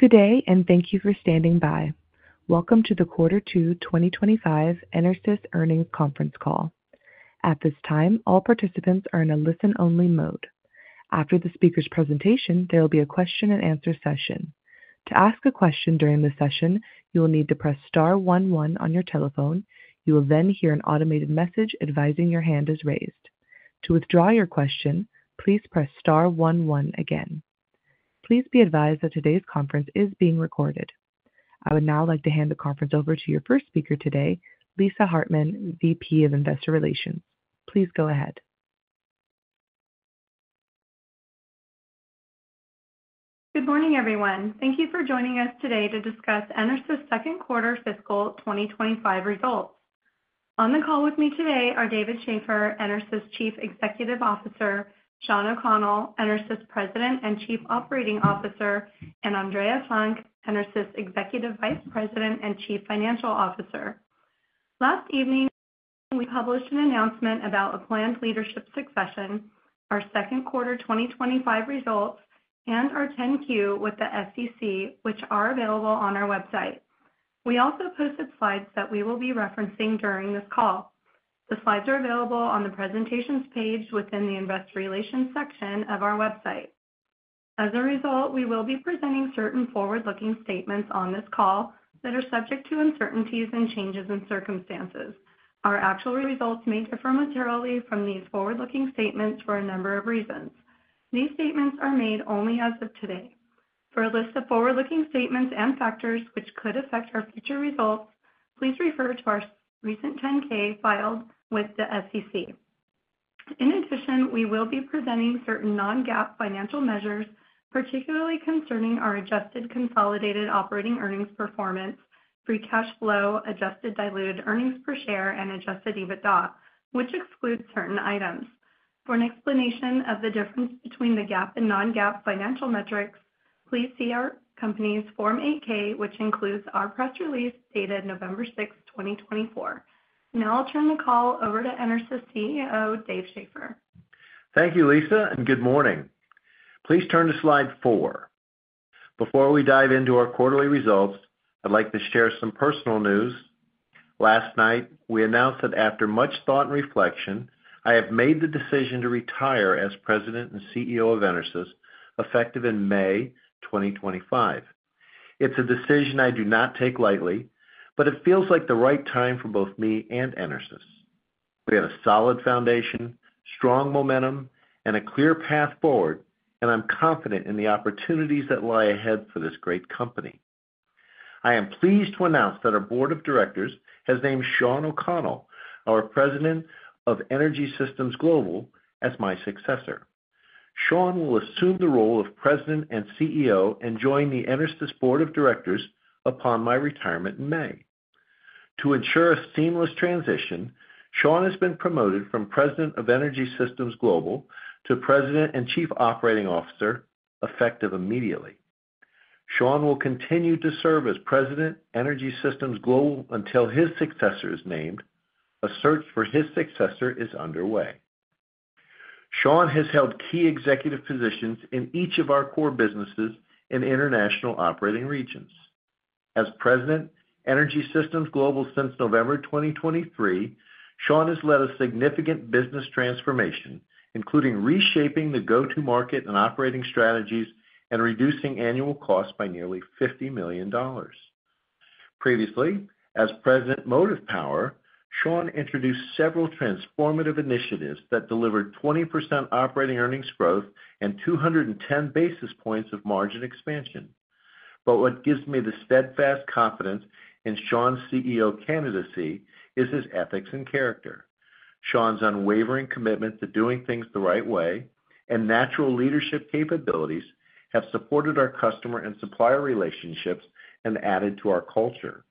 Good day, and thank you for standing by. Welcome to the quarter two 2025 EnerSys earnings conference call. At this time, all participants are in a listen-only mode. After the speaker's presentation, there will be a question-and-answer session. To ask a question during the session, you will need to press star one one on your telephone. You will then hear an automated message advising your hand is raised. To withdraw your question, please press star one one again. Please be advised that today's conference is being recorded. I would now like to hand the conference over to your first speaker today, Lisa Hartman, VP of Investor Relations. Please go ahead. Good morning, everyone. Thank you for joining us today to discuss EnerSys second quarter fiscal 2025 results. On the call with me today are David Shaffer, EnerSys Chief Executive Officer, Shawn O'Connell, EnerSys President and Chief Operating Officer, and Andrea Funk, EnerSys Executive Vice President and Chief Financial Officer. Last evening, we published an announcement about a planned leadership succession, our second quarter 2025 results, and our 10-Q with the SEC, which are available on our website. We also posted slides that we will be referencing during this call. The slides are available on the presentations page within the Investor Relations section of our website. As a result, we will be presenting certain forward-looking statements on this call that are subject to uncertainties and changes in circumstances. Our actual results may differ materially from these forward-looking statements for a number of reasons. These statements are made only as of today. For a list of forward-looking statements and factors which could affect our future results, please refer to our recent 10-K filed with the SEC. In addition, we will be presenting certain non-GAAP financial measures, particularly concerning our adjusted consolidated operating earnings performance, free cash flow, adjusted diluted earnings per share, and adjusted EBITDA, which excludes certain items. For an explanation of the difference between the GAAP and non-GAAP financial metrics, please see our company's Form 8-K, which includes our press release dated November 6, 2024. Now I'll turn the call over to EnerSys CEO, Dave Shaffer. Thank you, Lisa, and good morning. Please turn to slide four. Before we dive into our quarterly results, I'd like to share some personal news. Last night, we announced that after much thought and reflection, I have made the decision to retire as President and CEO of EnerSys effective in May 2025. It's a decision I do not take lightly, but it feels like the right time for both me and EnerSys. We have a solid foundation, strong momentum, and a clear path forward, and I'm confident in the opportunities that lie ahead for this great company. I am pleased to announce that our Board of Directors has named Shawn O'Connell, our President of Energy Systems Global, as my successor. Shawn will assume the role of President and CEO and join the EnerSys Board of Directors upon my retirement in May. To ensure a seamless transition, Shawn has been promoted from President of Energy Systems Global to President and Chief Operating Officer effective immediately. Shawn will continue to serve as President, Energy Systems Global until his successor is named. A search for his successor is underway. Shawn has held key executive positions in each of our core businesses in international operating regions. As President, Energy Systems Global since November 2023, Shawn has led a significant business transformation, including reshaping the go-to-market and operating strategies and reducing annual costs by nearly $50 million. Previously, as President, Motive Power, Shawn introduced several transformative initiatives that delivered 20% operating earnings growth and 210 basis points of margin expansion, but what gives me the steadfast confidence in Shawn's CEO candidacy is his ethics and character. Shawn's unwavering commitment to doing things the right way and natural leadership capabilities have supported our customer and supplier relationships and added to our culture.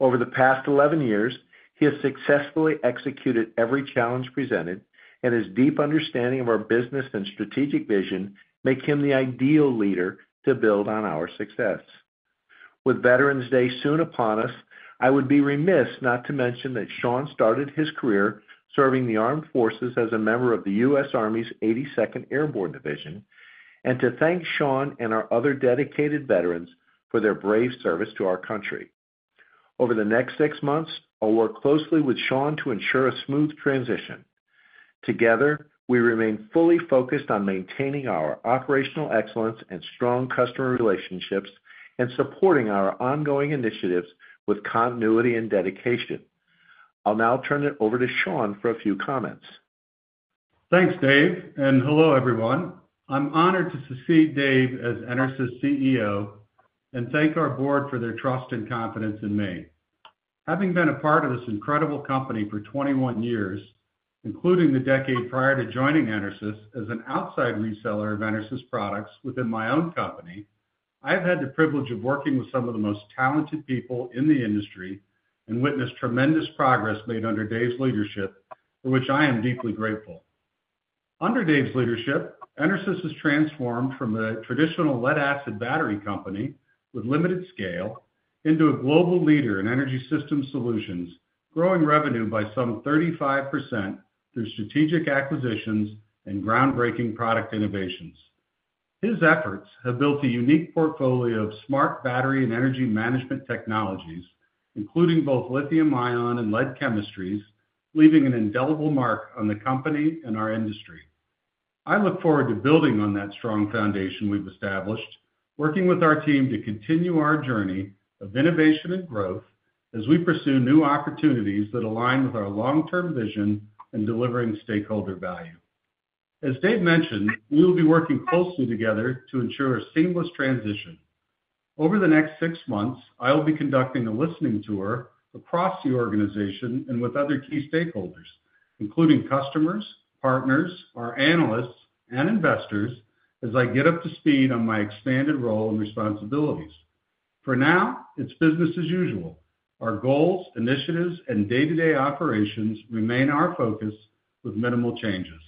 Over the past 11 years, he has successfully executed every challenge presented, and his deep understanding of our business and strategic vision make him the ideal leader to build on our success. With Veterans Day soon upon us, I would be remiss not to mention that Shawn started his career serving the armed forces as a member of the U.S. Army's 82nd Airborne Division, and to thank Shawn and our other dedicated veterans for their brave service to our country. Over the next six months, I'll work closely with Shawn to ensure a smooth transition. Together, we remain fully focused on maintaining our operational excellence and strong customer relationships and supporting our ongoing initiatives with continuity and dedication. I'll now turn it over to Shawn for a few comments. Thanks, Dave, and hello, everyone. I'm honored to succeed Dave as EnerSys CEO and thank our Board for their trust and confidence in me. Having been a part of this incredible company for 21 years, including the decade prior to joining EnerSys as an outside reseller of EnerSys products within my own company, I have had the privilege of working with some of the most talented people in the industry and witnessed tremendous progress made under Dave's leadership, for which I am deeply grateful. Under Dave's leadership, EnerSys has transformed from a traditional lead-acid battery company with limited scale into a global leader in energy system solutions, growing revenue by some 35% through strategic acquisitions and groundbreaking product innovations. His efforts have built a unique portfolio of smart battery and energy management technologies, including both lithium-ion and lead chemistries, leaving an indelible mark on the company and our industry. I look forward to building on that strong foundation we've established, working with our team to continue our journey of innovation and growth as we pursue new opportunities that align with our long-term vision and delivering stakeholder value. As Dave mentioned, we will be working closely together to ensure a seamless transition. Over the next six months, I will be conducting a listening tour across the organization and with other key stakeholders, including customers, partners, our analysts, and investors, as I get up to speed on my expanded role and responsibilities. For now, it's business as usual. Our goals, initiatives, and day-to-day operations remain our focus with minimal changes.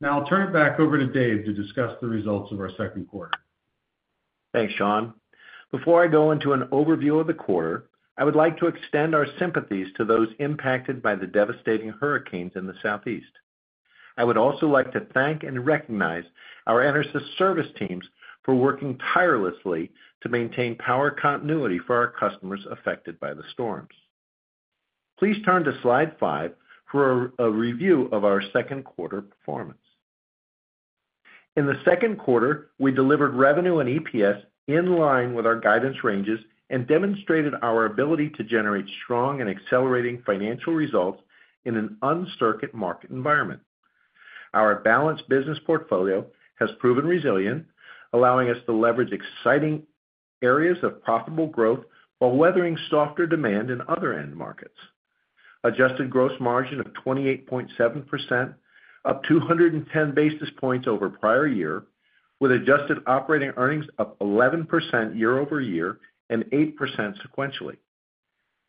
Now I'll turn it back over to Dave to discuss the results of our second quarter. Thanks, Shawn. Before I go into an overview of the quarter, I would like to extend our sympathies to those impacted by the devastating hurricanes in the southeast. I would also like to thank and recognize our EnerSys service teams for working tirelessly to maintain power continuity for our customers affected by the storms. Please turn to slide five for a review of our second quarter performance. In the second quarter, we delivered revenue and EPS in line with our guidance ranges and demonstrated our ability to generate strong and accelerating financial results in an uncertain market environment. Our balanced business portfolio has proven resilient, allowing us to leverage exciting areas of profitable growth while weathering softer demand in other end markets. Adjusted gross margin of 28.7%, up 210 basis points over prior year, with adjusted operating earnings up 11% year-over-year and 8% sequentially.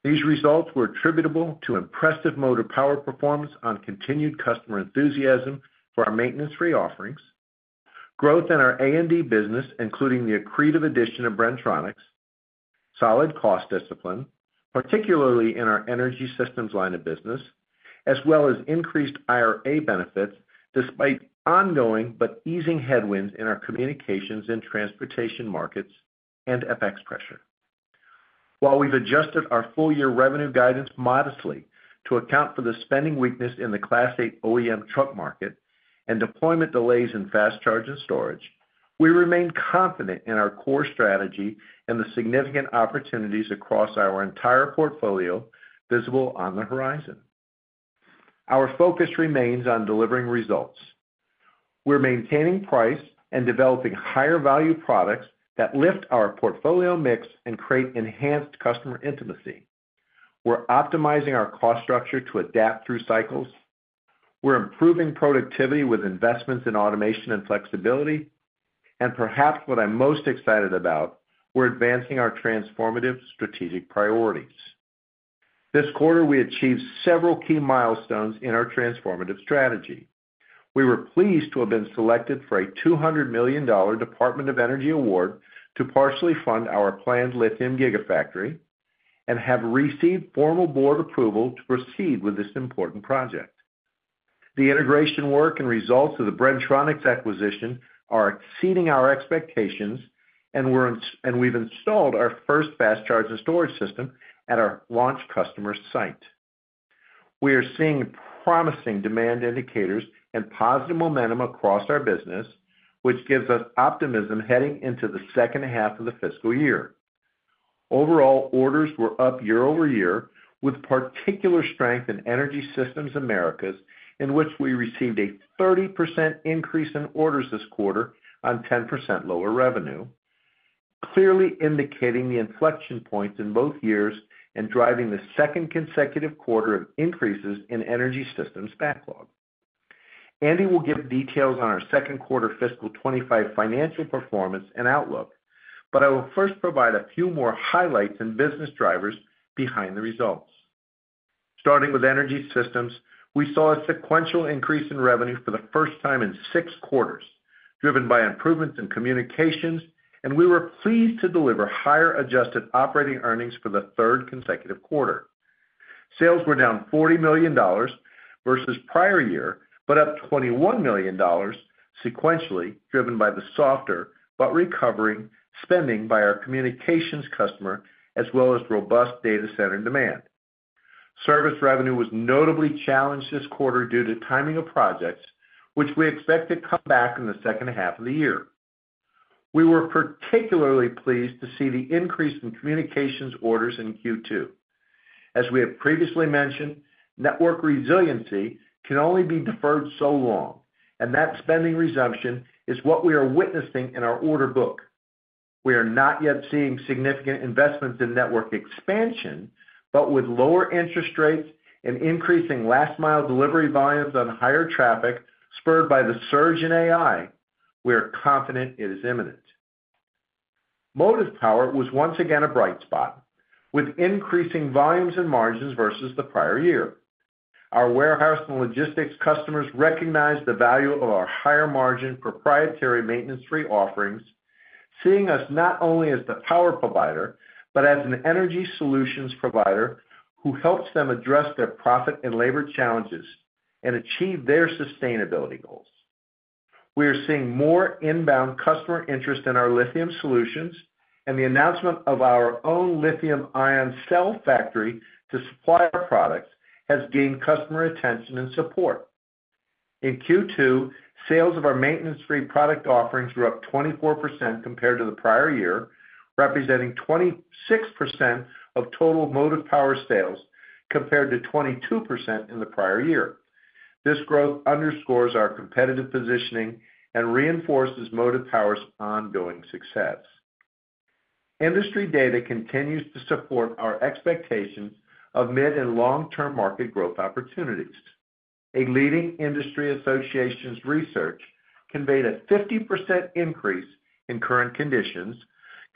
These results were attributable to impressive motive power performance on continued customer enthusiasm for our maintenance-free offerings, growth in our A&D business, including the accretive addition of Bren-Tronics, solid cost discipline, particularly in our energy systems line of business, as well as increased IRA benefits despite ongoing but easing headwinds in our communications and transportation markets and FX pressure. While we've adjusted our full-year revenue guidance modestly to account for the spending weakness in the Class 8 OEM truck market and deployment delays in fast charge and storage, we remain confident in our core strategy and the significant opportunities across our entire portfolio visible on the horizon. Our focus remains on delivering results. We're maintaining price and developing higher-value products that lift our portfolio mix and create enhanced customer intimacy. We're optimizing our cost structure to adapt through cycles. We're improving productivity with investments in automation and flexibility. Perhaps what I'm most excited about, we're advancing our transformative strategic priorities. This quarter, we achieved several key milestones in our transformative strategy. We were pleased to have been selected for a $200 million Department of Energy award to partially fund our planned lithium gigafactory and have received formal board approval to proceed with this important project. The integration work and results of the Bren-Tronics acquisition are exceeding our expectations, and we've installed our first fast charge and storage system at our launch customer site. We are seeing promising demand indicators and positive momentum across our business, which gives us optimism heading into the second half of the fiscal year. Overall, orders were up year-over-year, with particular strength in Energy Systems Americas, in which we received a 30% increase in orders this quarter on 10% lower revenue, clearly indicating the inflection point in both years and driving the second consecutive quarter of increases in energy systems backlog. Andy will give details on our second quarter fiscal 2025 financial performance and outlook, but I will first provide a few more highlights and business drivers behind the results. Starting with energy systems, we saw a sequential increase in revenue for the first time in six quarters, driven by improvements in communications, and we were pleased to deliver higher adjusted operating earnings for the third consecutive quarter. Sales were down $40 million versus prior year, but up $21 million sequentially, driven by the softer but recovering spending by our communications customer, as well as robust data center demand. Service revenue was notably challenged this quarter due to timing of projects, which we expect to come back in the second half of the year. We were particularly pleased to see the increase in communications orders in Q2. As we have previously mentioned, network resiliency can only be deferred so long, and that spending resumption is what we are witnessing in our order book. We are not yet seeing significant investments in network expansion, but with lower interest rates and increasing last-mile delivery volumes on higher traffic spurred by the surge in AI, we are confident it is imminent. Motive Power was once again a bright spot, with increasing volumes and margins versus the prior year. Our warehouse and logistics customers recognize the value of our higher margin proprietary maintenance-free offerings, seeing us not only as the power provider, but as an energy solutions provider who helps them address their profit and labor challenges and achieve their sustainability goals. We are seeing more inbound customer interest in our lithium solutions, and the announcement of our own lithium-ion cell factory to supply our products has gained customer attention and support. In Q2, sales of our maintenance-free product offerings were up 24% compared to the prior year, representing 26% of total Motive Power sales compared to 22% in the prior year. This growth underscores our competitive positioning and reinforces Motive Power's ongoing success. Industry data continues to support our expectations of mid and long-term market growth opportunities. A leading industry association's research conveyed a 50% increase in current conditions,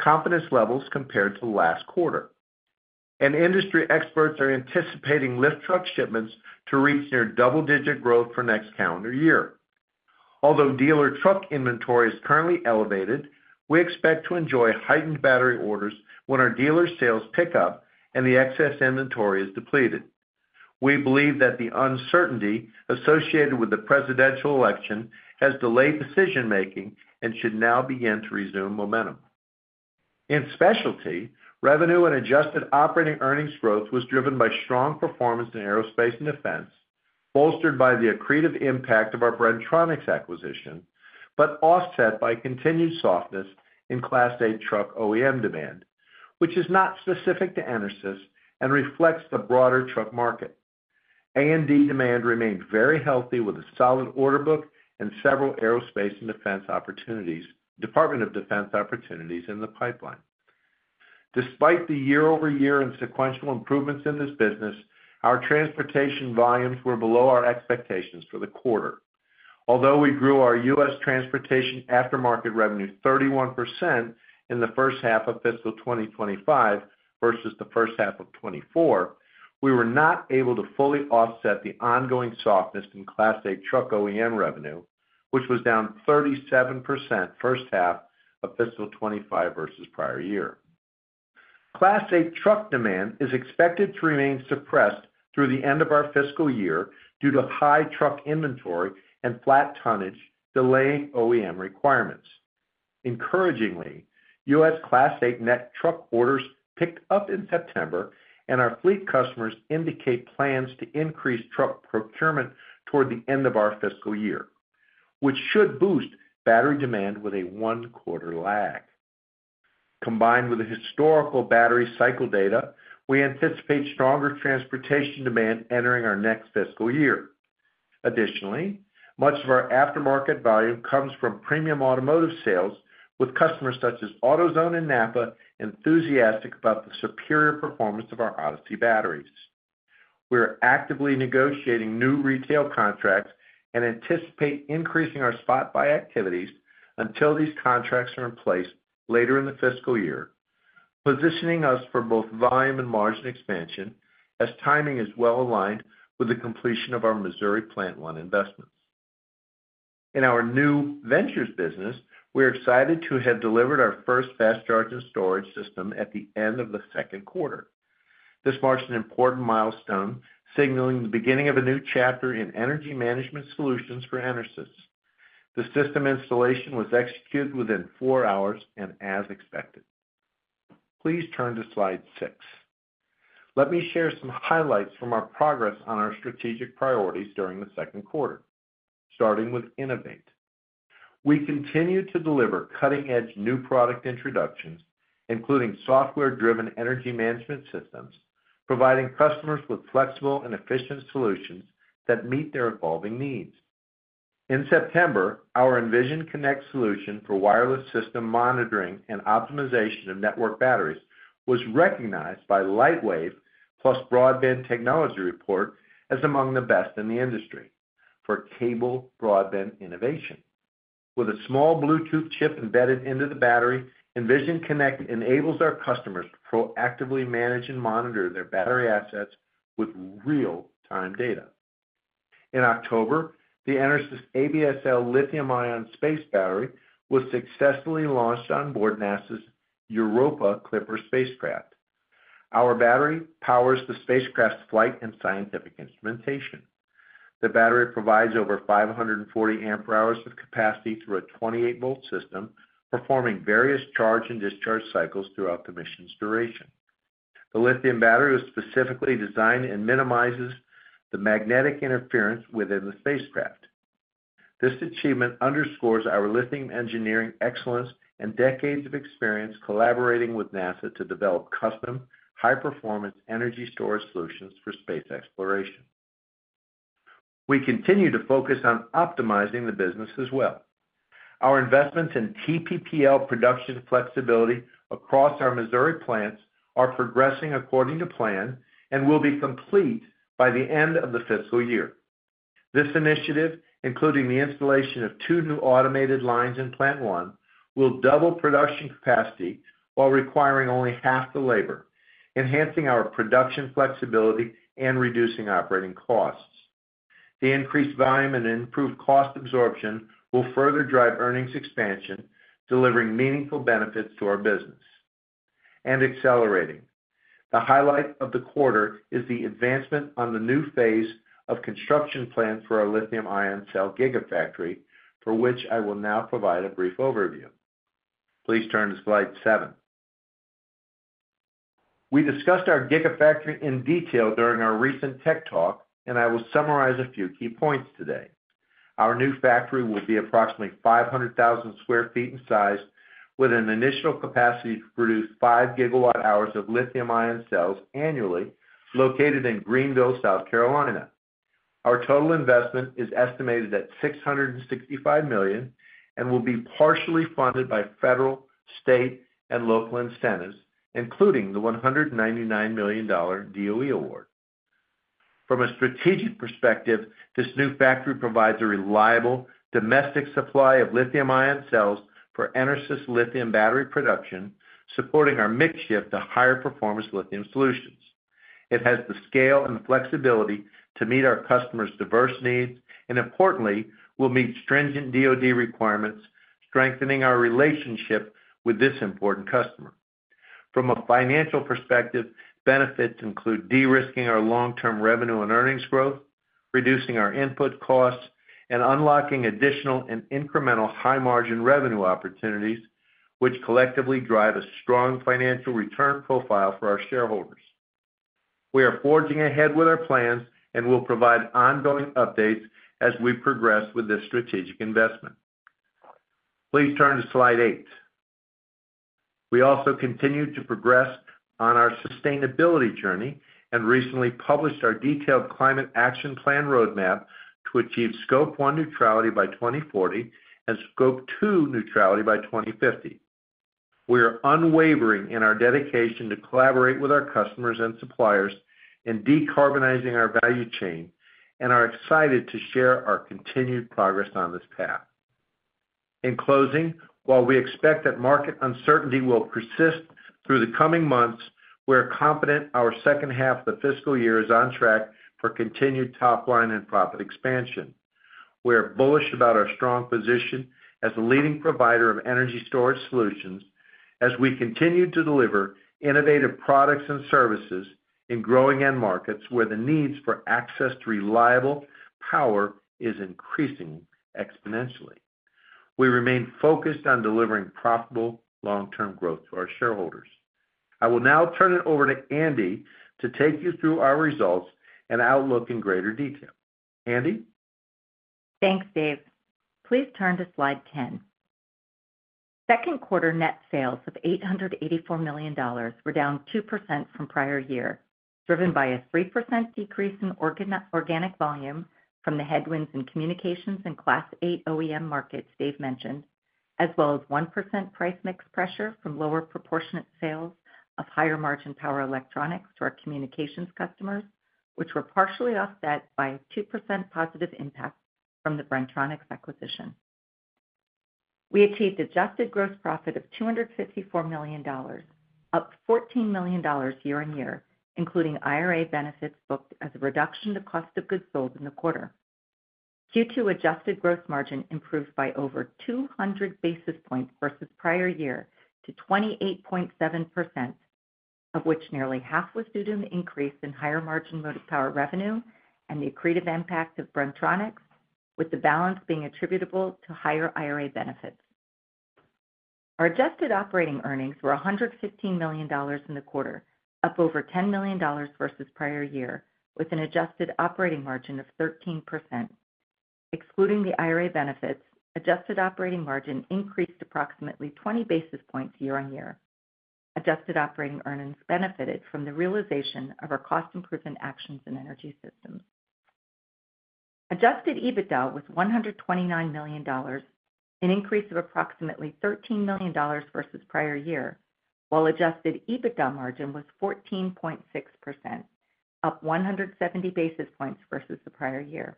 confidence levels compared to last quarter. Industry experts are anticipating lift truck shipments to reach near double-digit growth for next calendar year. Although dealer truck inventory is currently elevated, we expect to enjoy heightened battery orders when our dealer sales pick up and the excess inventory is depleted. We believe that the uncertainty associated with the presidential election has delayed decision-making and should now begin to resume momentum. In specialty, revenue and adjusted operating earnings growth was driven by strong performance in aerospace and defense, bolstered by the accretive impact of our Bren-Tronics acquisition, but offset by continued softness in Class 8 truck OEM demand, which is not specific to EnerSys and reflects the broader truck market. A&D demand remained very healthy with a solid order book and several aerospace and defense opportunities, Department of Defense opportunities in the pipeline. Despite the year-over-year and sequential improvements in this business, our transportation volumes were below our expectations for the quarter. Although we grew our U.S. transportation aftermarket revenue 31% in the first half of fiscal 2025 versus the first half of 2024, we were not able to fully offset the ongoing softness in Class 8 truck OEM revenue, which was down 37% first half of fiscal 2025 versus prior year. Class 8 truck demand is expected to remain suppressed through the end of our fiscal year due to high truck inventory and flat tonnage delaying OEM requirements. Encouragingly, U.S. Class 8 net truck orders picked up in September, and our fleet customers indicate plans to increase truck procurement toward the end of our fiscal year, which should boost battery demand with a one-quarter lag. Combined with the historical battery cycle data, we anticipate stronger transportation demand entering our next fiscal year. Additionally, much of our aftermarket volume comes from premium automotive sales, with customers such as AutoZone and NAPA enthusiastic about the superior performance of our ODYSSEY batteries. We're actively negotiating new retail contracts and anticipate increasing our spot-buy activities until these contracts are in place later in the fiscal year, positioning us for both volume and margin expansion as timing is well aligned with the completion of our Missouri Plant 1 investments. In our new ventures business, we're excited to have delivered our first fast charge and storage system at the end of the second quarter. This marks an important milestone signaling the beginning of a new chapter in energy management solutions for EnerSys. The system installation was executed within four hours and as expected. Please turn to slide six. Let me share some highlights from our progress on our strategic priorities during the second quarter, starting with Innovate. We continue to deliver cutting-edge new product introductions, including software-driven energy management systems, providing customers with flexible and efficient solutions that meet their evolving needs. In September, our Envision Connect solution for wireless system monitoring and optimization of network batteries was recognized by Lightwave and Broadband Technology Report as among the best in the industry for cable broadband innovation. With a small Bluetooth chip embedded into the battery, Envision Connect enables our customers to proactively manage and monitor their battery assets with real-time data. In October, the EnerSys ABSL lithium-ion space battery was successfully launched on board NASA's Europa Clipper spacecraft. Our battery powers the spacecraft's flight and scientific instrumentation. The battery provides over 540 amp-hours of capacity through a 28-volt system, performing various charge and discharge cycles throughout the mission's duration. The lithium battery was specifically designed and minimizes the magnetic interference within the spacecraft. This achievement underscores our lithium engineering excellence and decades of experience collaborating with NASA to develop custom high-performance energy storage solutions for space exploration. We continue to focus on optimizing the business as well. Our investments in TPPL production flexibility across our Missouri plants are progressing according to plan and will be complete by the end of the fiscal year. This initiative, including the installation of two new automated lines in Plant 1, will double production capacity while requiring only half the labor, enhancing our production flexibility and reducing operating costs. The increased volume and improved cost absorption will further drive earnings expansion, delivering meaningful benefits to our business and accelerating. The highlight of the quarter is the advancement on the new phase of construction plan for our lithium-ion cell gigafactory, for which I will now provide a brief overview. Please turn to slide seven. We discussed our gigafactory in detail during our recent tech talk, and I will summarize a few key points today. Our new factory will be approximately 500,000sq ft in size, with an initial capacity to produce five gigawatt-hours of lithium-ion cells annually, located in Greenville, South Carolina. Our total investment is estimated at $665 million and will be partially funded by federal, state, and local incentives, including the $199 million DOE award. From a strategic perspective, this new factory provides a reliable domestic supply of lithium-ion cells for EnerSys lithium battery production, supporting our mixture of the higher-performance lithium solutions. It has the scale and flexibility to meet our customers' diverse needs, and importantly, will meet stringent DOD requirements, strengthening our relationship with this important customer. From a financial perspective, benefits include de-risking our long-term revenue and earnings growth, reducing our input costs, and unlocking additional and incremental high-margin revenue opportunities, which collectively drive a strong financial return profile for our shareholders. We are forging ahead with our plans and will provide ongoing updates as we progress with this strategic investment. Please turn to slide eight. We also continue to progress on our sustainability journey and recently published our detailed climate action plan roadmap to achieve Scope 1 neutrality by 2040 and Scope 2 neutrality by 2050. We are unwavering in our dedication to collaborate with our customers and suppliers in decarbonizing our value chain, and are excited to share our continued progress on this path. In closing, while we expect that market uncertainty will persist through the coming months, we are confident our second half of the fiscal year is on track for continued topline and profit expansion. We are bullish about our strong position as a leading provider of energy storage solutions as we continue to deliver innovative products and services in growing end markets where the needs for access to reliable power are increasing exponentially. We remain focused on delivering profitable long-term growth to our shareholders. I will now turn it over to Andy to take you through our results and outlook in greater detail. Andy? Thanks, Dave. Please turn to slide 10. Second quarter net sales of $884 million were down 2% from prior year, driven by a 3% decrease in organic volume from the headwinds in communications and Class 8 OEM markets Dave mentioned, as well as 1% price mix pressure from lower proportionate sales of higher-margin power electronics to our communications customers, which were partially offset by a 2% positive impact from the Bren-Tronics acquisition. We achieved adjusted gross profit of $254 million, up $14 million year-on-year, including IRA benefits booked as a reduction to cost of goods sold in the quarter. Q2 adjusted gross margin improved by over 200 basis points versus prior year to 28.7%, of which nearly half was due to an increase in higher-margin motive power revenue and the accretive impact of Bren-Tronics, with the balance being attributable to higher IRA benefits. Our adjusted operating earnings were $115 million in the quarter, up over $10 million versus prior year, with an adjusted operating margin of 13%. Excluding the IRA benefits, adjusted operating margin increased approximately 20 basis points year-on-year. Adjusted operating earnings benefited from the realization of our cost-improvement actions in energy systems. Adjusted EBITDA was $129 million, an increase of approximately $13 million versus prior year, while adjusted EBITDA margin was 14.6%, up 170 basis points versus the prior year.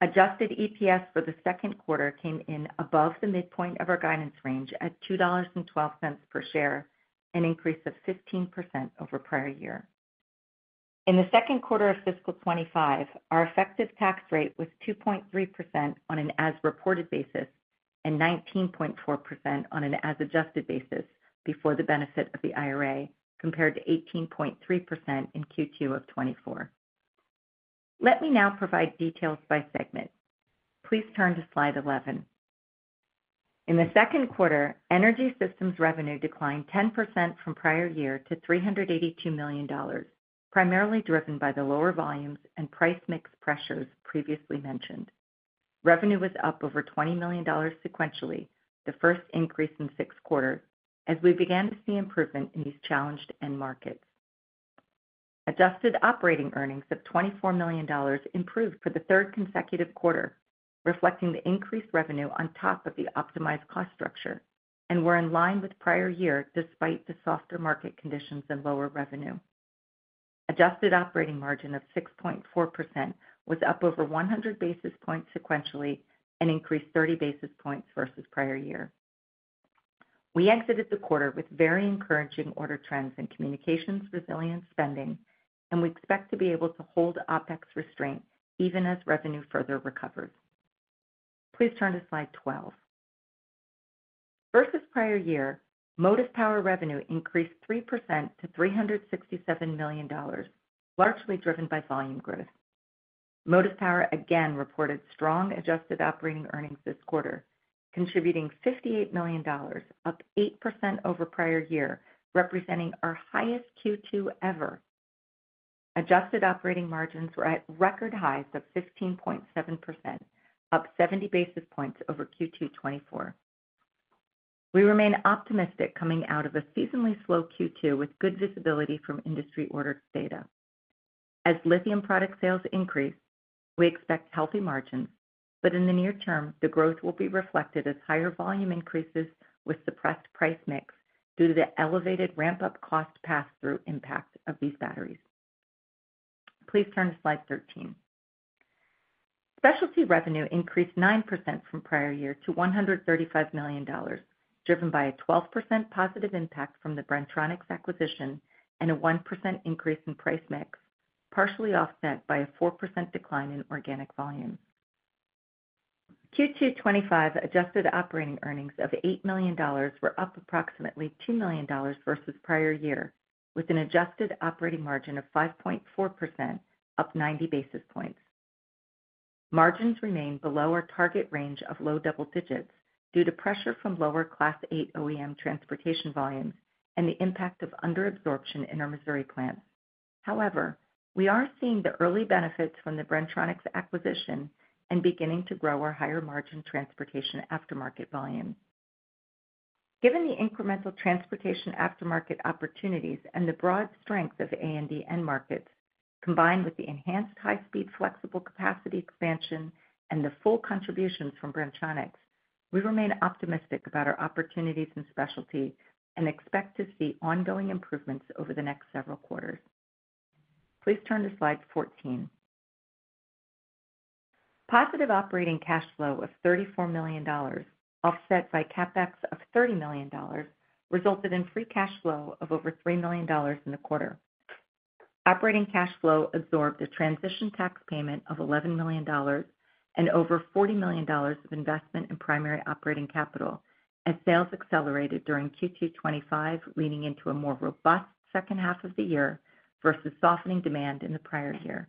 Adjusted EPS for the second quarter came in above the midpoint of our guidance range at $2.12 per share, an increase of 15% over prior year. In the second quarter of fiscal 2025, our effective tax rate was 2.3% on an as-reported basis and 19.4% on an as-adjusted basis before the benefit of the IRA, compared to 18.3% in Q2 of 2024. Let me now provide details by segment. Please turn to slide 11. In the second quarter, energy systems revenue declined 10% from prior year to $382 million, primarily driven by the lower volumes and price mix pressures previously mentioned. Revenue was up over $20 million sequentially, the first increase in six quarters, as we began to see improvement in these challenged end markets. Adjusted operating earnings of $24 million improved for the third consecutive quarter, reflecting the increased revenue on top of the optimized cost structure and were in line with prior year despite the softer market conditions and lower revenue. Adjusted operating margin of 6.4% was up over 100 basis points sequentially and increased 30 basis points versus prior year. We exited the quarter with very encouraging order trends in communications resilience spending, and we expect to be able to hold OpEx restraint even as revenue further recovers. Please turn to slide 12. Versus prior year, motive power revenue increased 3% to $367 million, largely driven by volume growth. Motive power again reported strong adjusted operating earnings this quarter, contributing $58 million, up 8% over prior year, representing our highest Q2 ever. Adjusted operating margins were at record highs of 15.7%, up 70 basis points over Q2 2024. We remain optimistic coming out of a seasonally slow Q2 with good visibility from industry order data. As lithium product sales increase, we expect healthy margins, but in the near term, the growth will be reflected as higher volume increases with suppressed price mix due to the elevated ramp-up cost pass-through impact of these batteries. Please turn to slide 13. Specialty revenue increased 9% from prior year to $135 million, driven by a 12% positive impact from the Bren-Tronics acquisition and a 1% increase in price mix, partially offset by a 4% decline in organic volume. Q2 2025 adjusted operating earnings of $8 million were up approximately $2 million versus prior year, with an adjusted operating margin of 5.4%, up 90 basis points. Margins remain below our target range of low double digits due to pressure from lower Class 8 OEM transportation volumes and the impact of underabsorption in our Missouri plants. However, we are seeing the early benefits from the Bren-Tronics acquisition and beginning to grow our higher-margin transportation aftermarket volume. Given the incremental transportation aftermarket opportunities and the broad strength of A&D end markets, combined with the enhanced high-speed flexible capacity expansion and the full contributions from Bren-Tronics, we remain optimistic about our opportunities in specialty and expect to see ongoing improvements over the next several quarters. Please turn to slide 14. Positive operating cash flow of $34 million, offset by CapEx of $30 million, resulted in free cash flow of over $3 million in the quarter. Operating cash flow absorbed a transition tax payment of $11 million and over $40 million of investment in primary operating capital, as sales accelerated during Q2 2025, leaning into a more robust second half of the year versus softening demand in the prior year.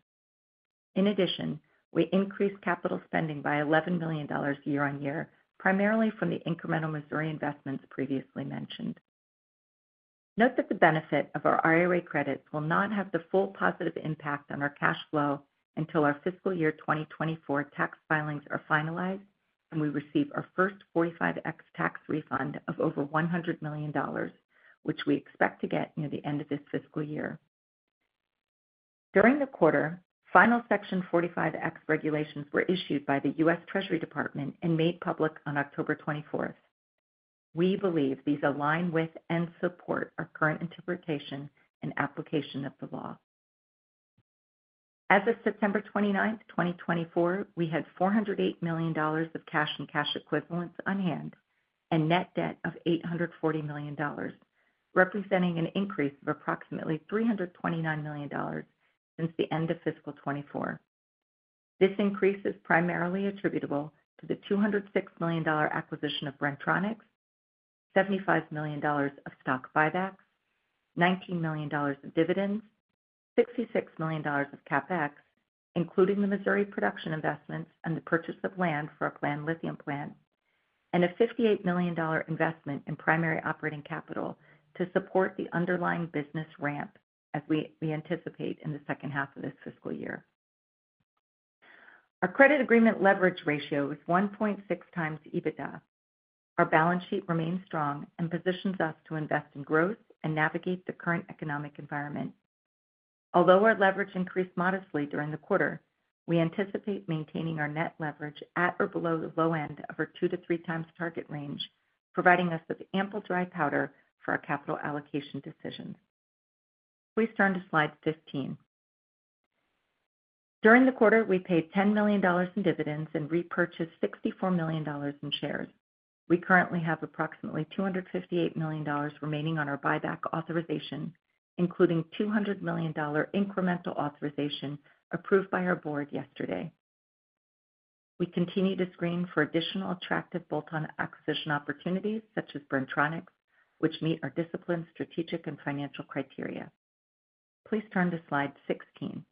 In addition, we increased capital spending by $11 million year-on-year, primarily from the incremental Missouri investments previously mentioned. Note that the benefit of our IRA credits will not have the full positive impact on our cash flow until our fiscal year 2024 tax filings are finalized, and we receive our first 45X tax refund of over $100 million, which we expect to get near the end of this fiscal year. During the quarter, final Section 45X regulations were issued by the U.S. Treasury Department and made public on October 24. We believe these align with and support our current interpretation and application of the law. As of September 29, 2024, we had $408 million of cash and cash equivalents on hand and net debt of $840 million, representing an increase of approximately $329 million since the end of fiscal 2024. This increase is primarily attributable to the $206 million acquisition of Bren-Tronics, $75 million of stock buybacks, $19 million of dividends, $66 million of CapEx, including the Missouri production investments and the purchase of land for our planned lithium plant, and a $58 million investment in primary operating capital to support the underlying business ramp, as we anticipate in the second half of this fiscal year. Our credit agreement leverage ratio is 1.6x EBITDA. Our balance sheet remains strong and positions us to invest in growth and navigate the current economic environment. Although our leverage increased modestly during the quarter, we anticipate maintaining our net leverage at or below the low end of our two-to-three times target range, providing us with ample dry powder for our capital allocation decisions. Please turn to slide 15. During the quarter, we paid $10 million in dividends and repurchased $64 million in shares. We currently have approximately $258 million remaining on our buyback authorization, including $200 million incremental authorization approved by our board yesterday. We continue to screen for additional attractive bolt-on acquisition opportunities, such as Bren-Tronics, which meet our discipline, strategic, and financial criteria. Please turn to slide 16.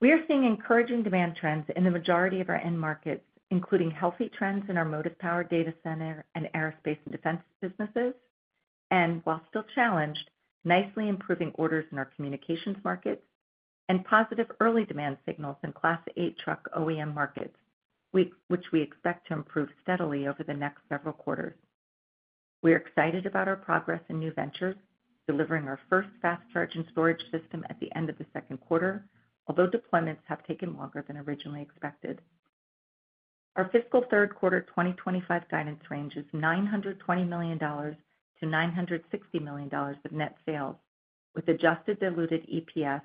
We are seeing encouraging demand trends in the majority of our end markets, including healthy trends in our motive power data center and aerospace and defense businesses, and, while still challenged, nicely improving orders in our communications markets and positive early demand signals in Class 8 truck OEM markets, which we expect to improve steadily over the next several quarters. We are excited about our progress in new ventures, delivering our first fast-charging storage system at the end of the second quarter, although deployments have taken longer than originally expected. Our fiscal third quarter 2025 guidance range is $920 million-$960 million of net sales, with adjusted diluted EPS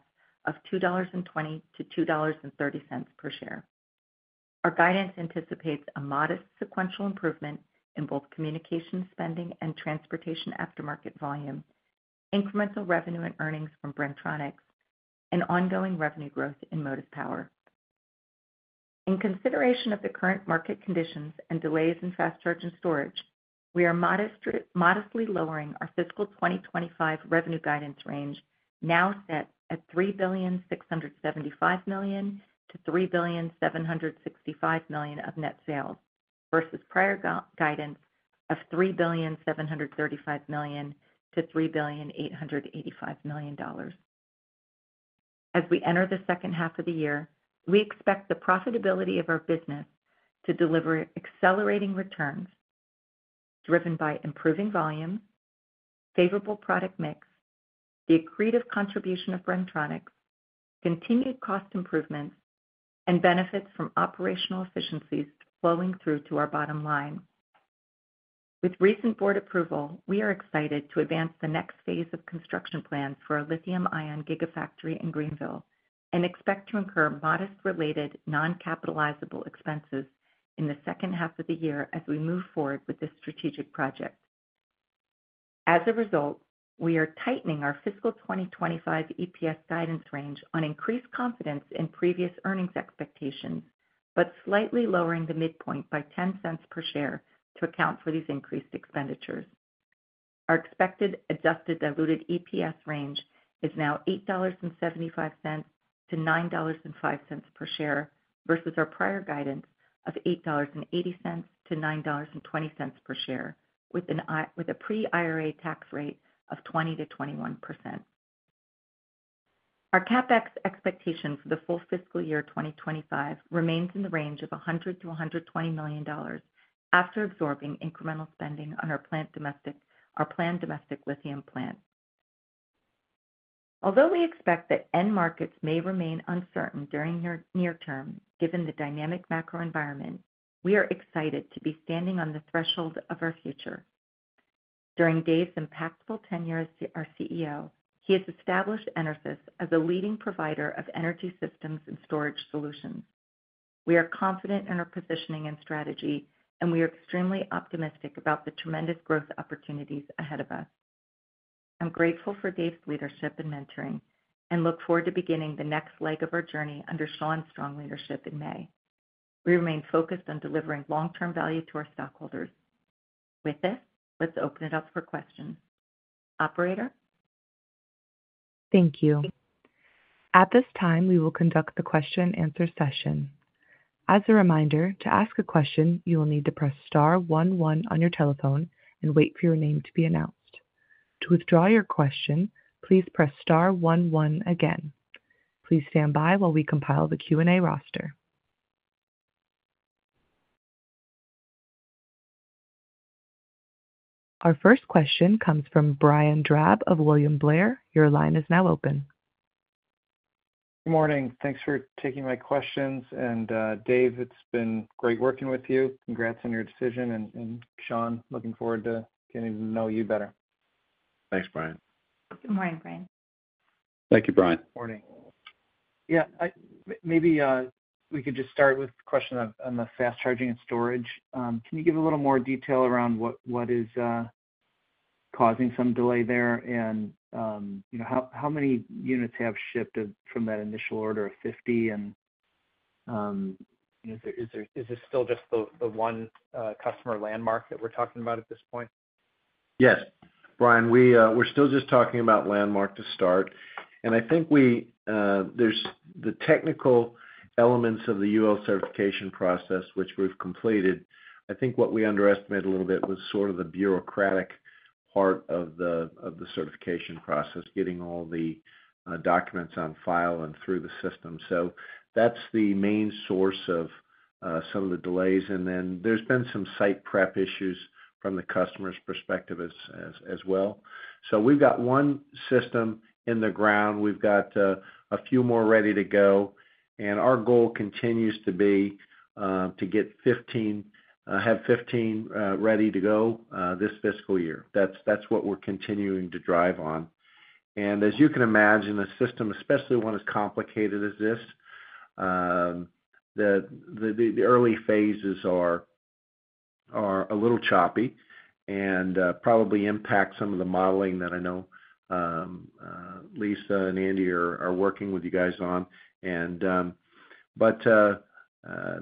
of $2.20-$2.30 per share. Our guidance anticipates a modest sequential improvement in both communication spending and transportation aftermarket volume, incremental revenue and earnings from Bren-Tronics, and ongoing revenue growth in motive power. In consideration of the current market conditions and delays in fast-charging storage, we are modestly lowering our fiscal 2025 revenue guidance range, now set at $3,675,000,000-$3,765,000,000 of net sales versus prior guidance of $3,735,000,000-$3,885,000,000. As we enter the second half of the year, we expect the profitability of our business to deliver accelerating returns driven by improving volume, favorable product mix, the accretive contribution of Bren-Tronics, continued cost improvements, and benefits from operational efficiencies flowing through to our bottom line. With recent board approval, we are excited to advance the next phase of construction plans for our lithium-ion gigafactory in Greenville and expect to incur modest related non-capitalizable expenses in the second half of the year as we move forward with this strategic project. As a result, we are tightening our fiscal 2025 EPS guidance range on increased confidence in previous earnings expectations, but slightly lowering the midpoint by $0.10 per share to account for these increased expenditures. Our expected adjusted diluted EPS range is now $8.75-$9.05 per share versus our prior guidance of $8.80-$9.20 per share, with a pre-IRA tax rate of 20%-21%. Our CapEx expectation for the full fiscal year 2025 remains in the range of $100 million-$120 million after absorbing incremental spending on our planned domestic lithium plant. Although we expect that end markets may remain uncertain during the near term, given the dynamic macro environment, we are excited to be standing on the threshold of our future. During Dave's impactful tenure as our CEO, he has established EnerSys as a leading provider of energy systems and storage solutions. We are confident in our positioning and strategy, and we are extremely optimistic about the tremendous growth opportunities ahead of us. I'm grateful for Dave's leadership and mentoring and look forward to beginning the next leg of our journey under Shawn O'Connell's leadership in May. We remain focused on delivering long-term value to our stockholders. With this, let's open it up for questions. Operator? Thank you. At this time, we will conduct the question-and-answer session. As a reminder, to ask a question, you will need to press star one one on your telephone and wait for your name to be announced. To withdraw your question, please press star one one again. Please stand by while we compile the Q&A roster. Our first question comes from Brian Drab of William Blair. Your line is now open. Good morning. Thanks for taking my questions. And Dave, it's been great working with you. Congrats on your decision. And Shawn, looking forward to getting to know you better. Thanks, Brian. Good morning, Brian. Thank you, Brian. Morning. Yeah, maybe we could just start with a question on the fast-charging and storage. Can you give a little more detail around what is causing some delay there and how many units have shipped from that initial order of 50? And is this still just the one customer Landmark that we're talking about at this point? Yes. Brian, we're still just talking about Landmark to start. And I think the technical elements of the UL certification process, which we've completed, I think what we underestimated a little bit was sort of the bureaucratic part of the certification process, getting all the documents on file and through the system. So that's the main source of some of the delays. And then there's been some site prep issues from the customer's perspective as well. So we've got one system in the ground. We've got a few more ready to go. Our goal continues to be to have 15 ready to go this fiscal year. That's what we're continuing to drive on. And as you can imagine, a system, especially one as complicated as this, the early phases are a little choppy and probably impact some of the modeling that I know Lisa and Andy are working with you guys on. But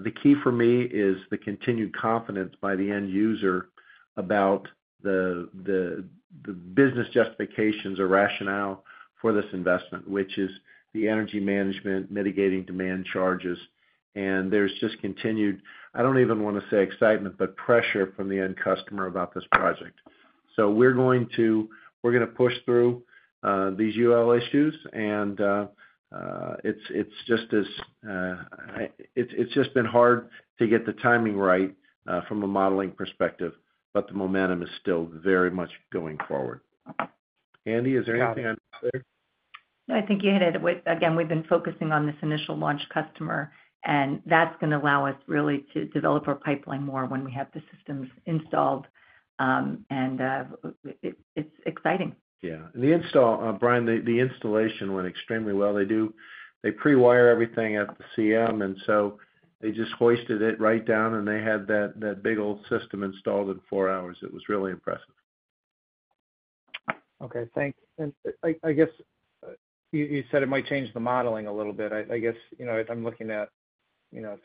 the key for me is the continued confidence by the end user about the business justifications or rationale for this investment, which is the energy management, mitigating demand charges. And there's just continued. I don't even want to say excitement, but pressure from the end customer about this project. So we're going to push through these UL issues. And it's just been hard to get the timing right from a modeling perspective, but the momentum is still very much going forward. Andy, is there anything I missed there? I think you hit it. Again, we've been focusing on this initial launch customer, and that's going to allow us really to develop our pipeline more when we have the systems installed. And it's exciting. Yeah. And Brian, the installation went extremely well. They pre-wire everything at the CM, and so they just hoisted it right down, and they had that big old system installed in four hours. It was really impressive. Okay. Thanks. And I guess you said it might change the modeling a little bit. I guess I'm looking at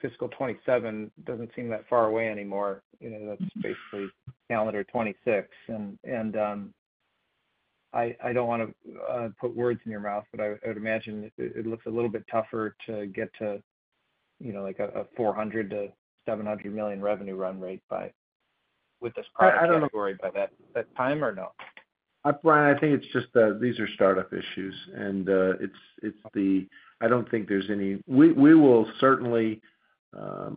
fiscal 2027; it doesn't seem that far away anymore. That's basically calendar 2026. And I don't want to put words in your mouth, but I would imagine it looks a little bit tougher to get to a $400 million-$700 million revenue run rate with this product. Story by that time, or no? Brian, I think it's just that these are startup issues. I don't think there's any—we will certainly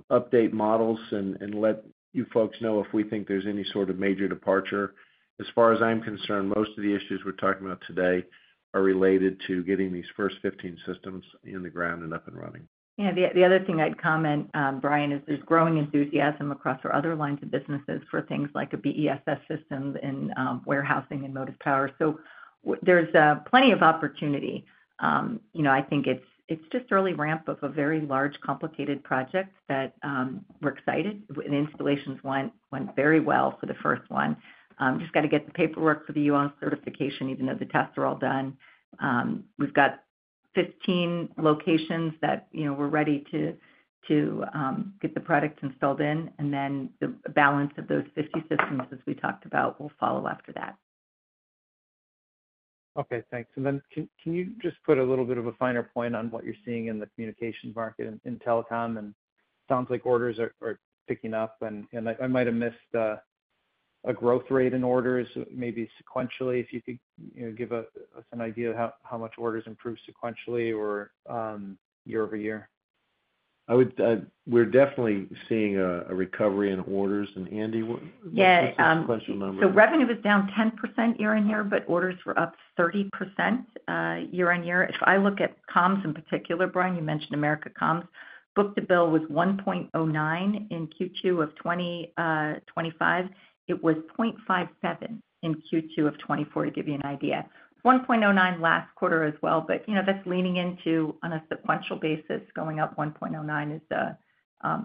update models and let you folks know if we think there's any sort of major departure. As far as I'm concerned, most of the issues we're talking about today are related to getting these first 15 systems in the ground and up and running. Yeah. The other thing I'd comment, Brian, is there's growing enthusiasm across our other lines of businesses for things like a BESS system in warehousing and motive power. There's plenty of opportunity. I think it's just early ramp of a very large, complicated project that we're excited. The installations went very well for the first one. Just got to get the paperwork for the UL certification, even though the tests are all done. We've got 15 locations that we're ready to get the product installed in. And then the balance of those 50 systems, as we talked about, will follow after that. Okay. Thanks. And then can you just put a little bit of a finer point on what you're seeing in the communications market in telecom? And it sounds like orders are picking up. And I might have missed a growth rate in orders, maybe sequentially, if you could give us an idea of how much orders improve sequentially or year-over-year. We're definitely seeing a recovery in orders. And Andy, what's the sequential number? Yeah. So revenue was down 10% year-on-year, but orders were up 30% year-on-year. If I look at comms in particular, Brian, you mentioned Americas Comms. Book-to-bill was 1.09 in Q2 of 2025. It was 0.57 in Q2 of 2024, to give you an idea. 1.09 last quarter as well. But that's leaning into on a sequential basis, going up 1.09 is a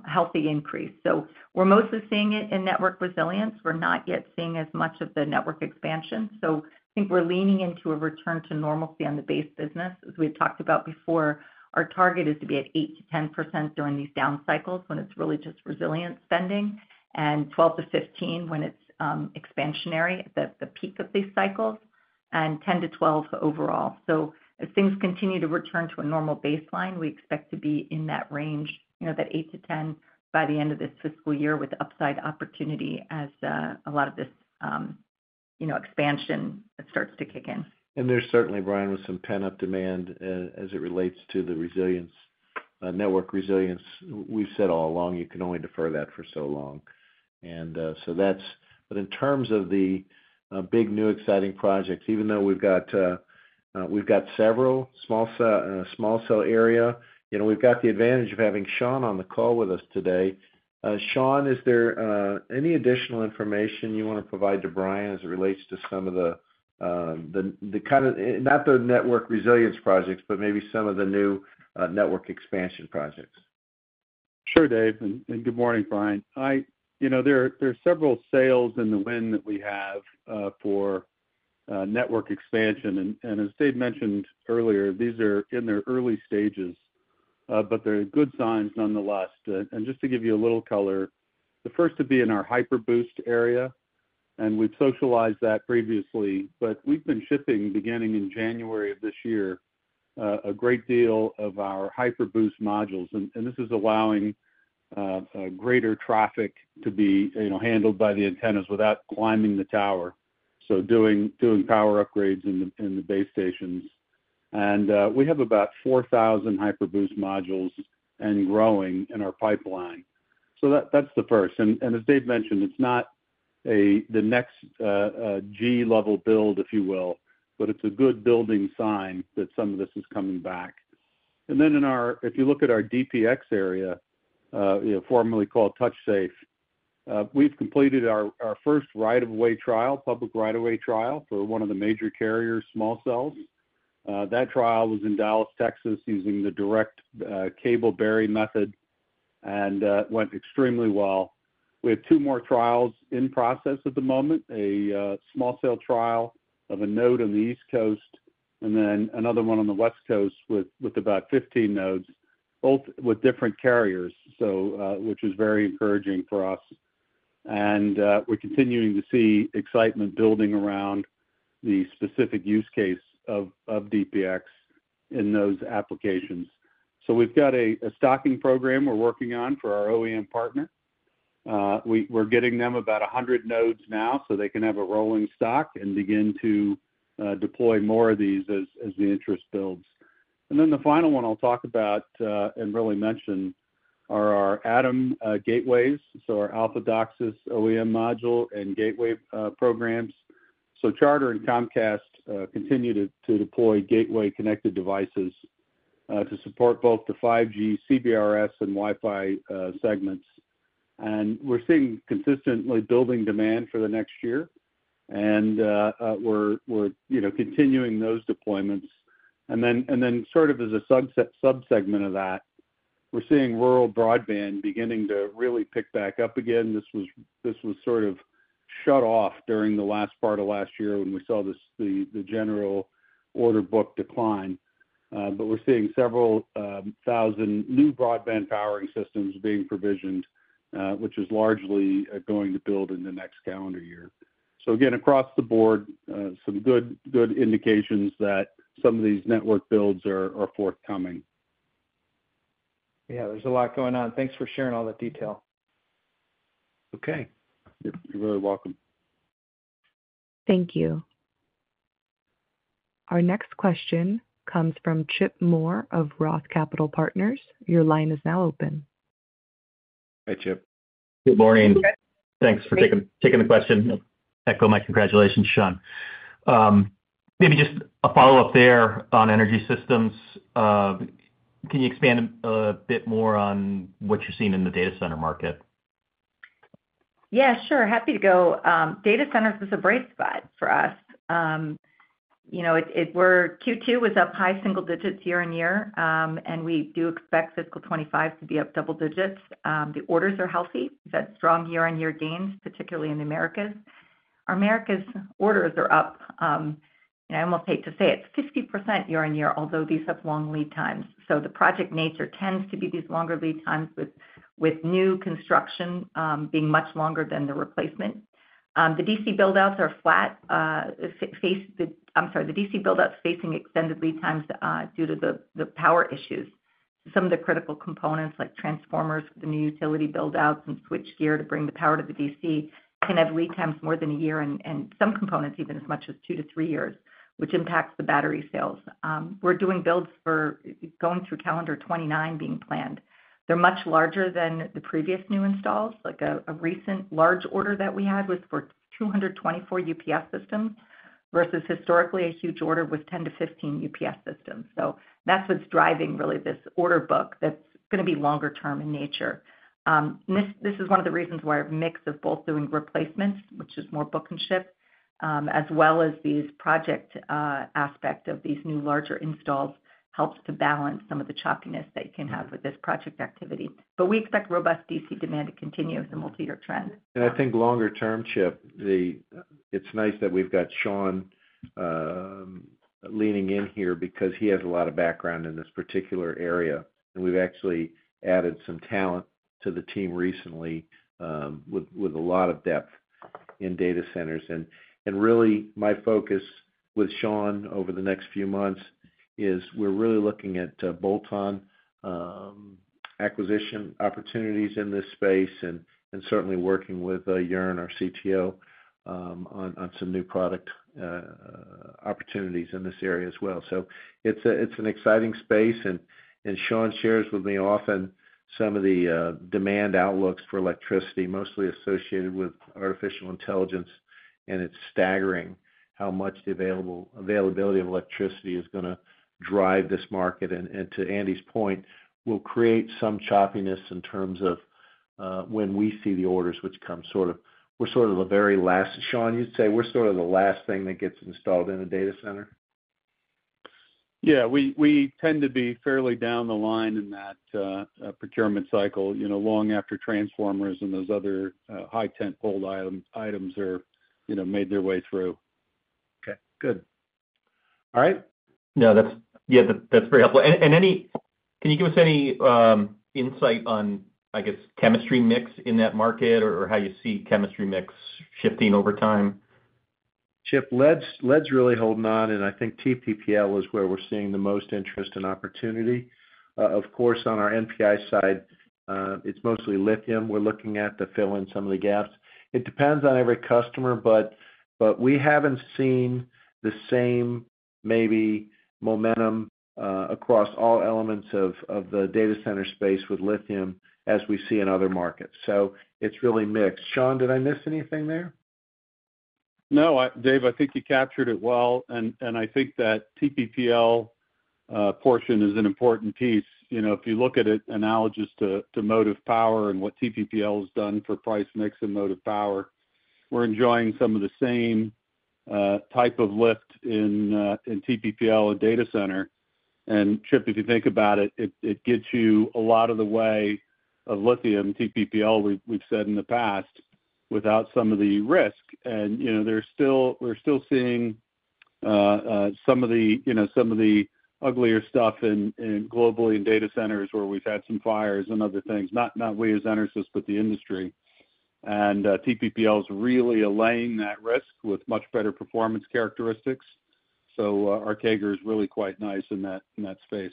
healthy increase. So we're mostly seeing it in network resilience. We're not yet seeing as much of the network expansion. So I think we're leaning into a return to normalcy on the base business, as we've talked about before. Our target is to be at 8%-10% during these down cycles when it's really just resilient spending, and 12%-15% when it's expansionary at the peak of these cycles, and 10%-12% overall. So as things continue to return to a normal baseline, we expect to be in that range, that 8%-10% by the end of this fiscal year with upside opportunity as a lot of this expansion starts to kick in. And there's certainly, Brian, with some pent-up demand as it relates to the network resilience. We've said all along you can only defer that for so long. And so that's - but in terms of the big new exciting projects, even though we've got several small cell area, we've got the advantage of having Shawn on the call with us today. Shawn, is there any additional information you want to provide to Brian as it relates to some of the kind of not the network resilience projects, but maybe some of the new network expansion projects? Sure, Dave. And good morning, Brian. There are several sales in the wind that we have for network expansion. And as Dave mentioned earlier, these are in their early stages, but they're good signs nonetheless. And just to give you a little color, the first would be in our Hyperboost area. And we've socialized that previously, but we've been shipping, beginning in January of this year, a great deal of our Hyperboost modules. And this is allowing greater traffic to be handled by the antennas without climbing the tower, so doing power upgrades in the base stations. And we have about 4,000 Hyperboost modules and growing in our pipeline. So that's the first. And as Dave mentioned, it's not the next G-level build, if you will, but it's a good building sign that some of this is coming back. And then if you look at our DPX area, formerly called TouchSafe, we've completed our first right-of-way trial, public right-of-way trial for one of the major carriers, small cells. That trial was in Dallas, Texas, using the direct cable bury method and went extremely well. We have two more trials in process at the moment, a small cell trial of a node on the East Coast, and then another one on the West Coast with about 15 nodes, both with different carriers, which is very encouraging for us. And we're continuing to see excitement building around the specific use case of DPX in those applications. So we've got a stocking program we're working on for our OEM partner. We're getting them about 100 nodes now so they can have a rolling stock and begin to deploy more of these as the interest builds. And then the final one I'll talk about and really mention are our ATOM gateways, so our AlphaDOC's OEM module and gateway programs. So Charter and Comcast continue to deploy gateway-connected devices to support both the 5G, CBRS, and Wi-Fi segments. And we're seeing consistently building demand for the next year. And we're continuing those deployments. And then sort of as a subsegment of that, we're seeing rural broadband beginning to really pick back up again. This was sort of shut off during the last part of last year when we saw the general order book decline. But we're seeing several thousand new broadband powering systems being provisioned, which is largely going to build in the next calendar year. So again, across the board, some good indications that some of these network builds are forthcoming. Yeah. There's a lot going on. Thanks for sharing all that detail. Okay. You're very welcome. Thank you. Our next question comes from Chip Moore of ROTH Capital Partners. Your line is now open. Hi, Chip. Good morning. Thanks for taking the question. My congratulations, Shawn. Maybe just a follow-up there on energy systems. Can you expand a bit more on what you're seeing in the data center market? Yeah, sure. Happy to go. Data centers is a bright spot for us. Q2 was up high single digits year-on-year, and we do expect fiscal 2025 to be up double digits. The orders are healthy. We've had strong year-on-year gains, particularly in the Americas. Our America's orders are up. I almost hate to say it's 50% year-on-year, although these have long lead times. So the project nature tends to be these longer lead times with new construction being much longer than the replacement. The DC buildouts are flat. I'm sorry. The DC buildouts are facing extended lead times due to the power issues. Some of the critical components, like transformers, the new utility buildouts, and switchgear to bring the power to the DC, can have lead times more than a year and some components even as much as two to three years, which impacts the battery sales. We're doing builds for going through calendar 2029 being planned. They're much larger than the previous new installs. A recent large order that we had was for 224 UPS systems versus historically a huge order with 10-15 UPS systems. So that's what's driving really this order book that's going to be longer term in nature. This is one of the reasons why our mix of both doing replacements, which is more book-to-ship, as well as these project aspects of these new larger installs helps to balance some of the choppiness that you can have with this project activity. But we expect robust DC demand to continue as a multi-year trend. And I think longer term, Chip, it's nice that we've got Shawn leaning in here because he has a lot of background in this particular area. And we've actually added some talent to the team recently with a lot of depth in data centers. And really, my focus with Shawn over the next few months is we're really looking at bolt-on acquisition opportunities in this space and certainly working with Joern, our CTO, on some new product opportunities in this area as well. So it's an exciting space. And Shawn shares with me often some of the demand outlooks for electricity, mostly associated with artificial intelligence. And it's staggering how much the availability of electricity is going to drive this market. To Andy's point, we'll create some choppiness in terms of when we see the orders, which come sort of. We're sort of the very last. Shawn, you'd say we're sort of the last thing that gets installed in a data center? Yeah. We tend to be fairly down the line in that procurement cycle long after transformers and those other high-tentpole items are made their way through. Okay. Good. All right. No, that's very helpful. And can you give us any insight on, I guess, chemistry mix in that market or how you see chemistry mix shifting over time? Chip, lead's really holding on. And I think TPPL is where we're seeing the most interest and opportunity. Of course, on our NPI side, it's mostly lithium. We're looking to fill in some of the gaps. It depends on every customer, but we haven't seen the same maybe momentum across all elements of the data center space with lithium as we see in other markets. So it's really mixed. Shawn, did I miss anything there? No, Dave, I think you captured it well, and I think that TPPL portion is an important piece. If you look at it analogous to motive power and what TPPL has done for price mix and motive power, we're enjoying some of the same type of lift in TPPL and data center. And Chip, if you think about it, it gets you a lot of the way of lithium, TPPL, we've said in the past, without some of the risk. And we're still seeing some of the uglier stuff globally in data centers where we've had some fires and other things, not we as EnerSys, but the industry. TPPL is really allaying that risk with much better performance characteristics. So our charger is really quite nice in that space.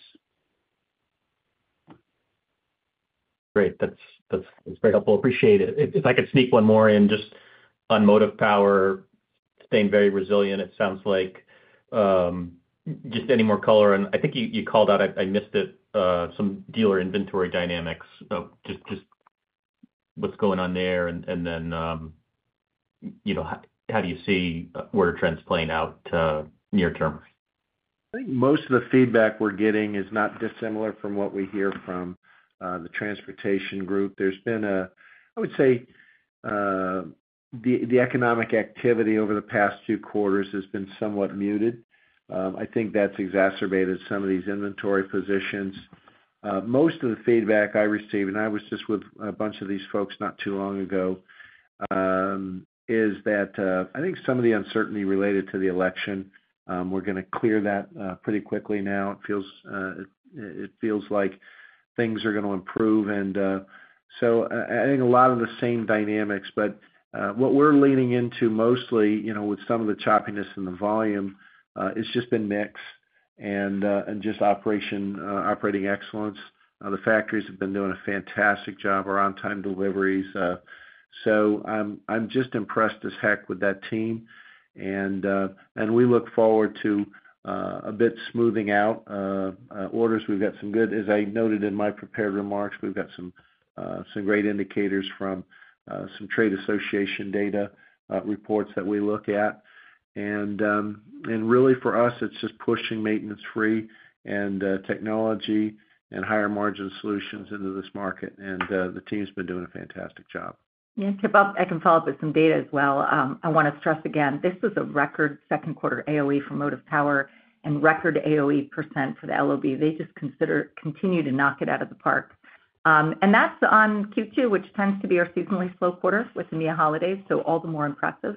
Great. That's very helpful. Appreciate it. If I could sneak one more in just on motive power, staying very resilient, it sounds like just any more color. And I think you called out, I missed it, some dealer inventory dynamics, just what's going on there. And then how do you see the trends playing out near term? I think most of the feedback we're getting is not dissimilar from what we hear from the transportation group. There's been a, I would say, the economic activity over the past two quarters has been somewhat muted. I think that's exacerbated some of these inventory positions. Most of the feedback I received, and I was just with a bunch of these folks not too long ago, is that I think some of the uncertainty related to the election, we're going to clear that pretty quickly now. It feels like things are going to improve, and so I think a lot of the same dynamics, but what we're leaning into mostly with some of the choppiness in the volume has just been mix and just operating excellence. The factories have been doing a fantastic job, are on-time deliveries, so I'm just impressed as heck with that team, and we look forward to a bit smoothing out orders. We've got some good, as I noted in my prepared remarks, we've got some great indicators from some trade association data reports that we look at. Really, for us, it's just pushing maintenance-free and technology and higher margin solutions into this market. The team's been doing a fantastic job. Yeah. Chip, I can follow up with some data as well. I want to stress again, this was a record second quarter OEE for motive power and record OEE percent for the LOB. They just continue to knock it out of the park. That's on Q2, which tends to be our seasonally slow quarter with EMEA holidays, so all the more impressive.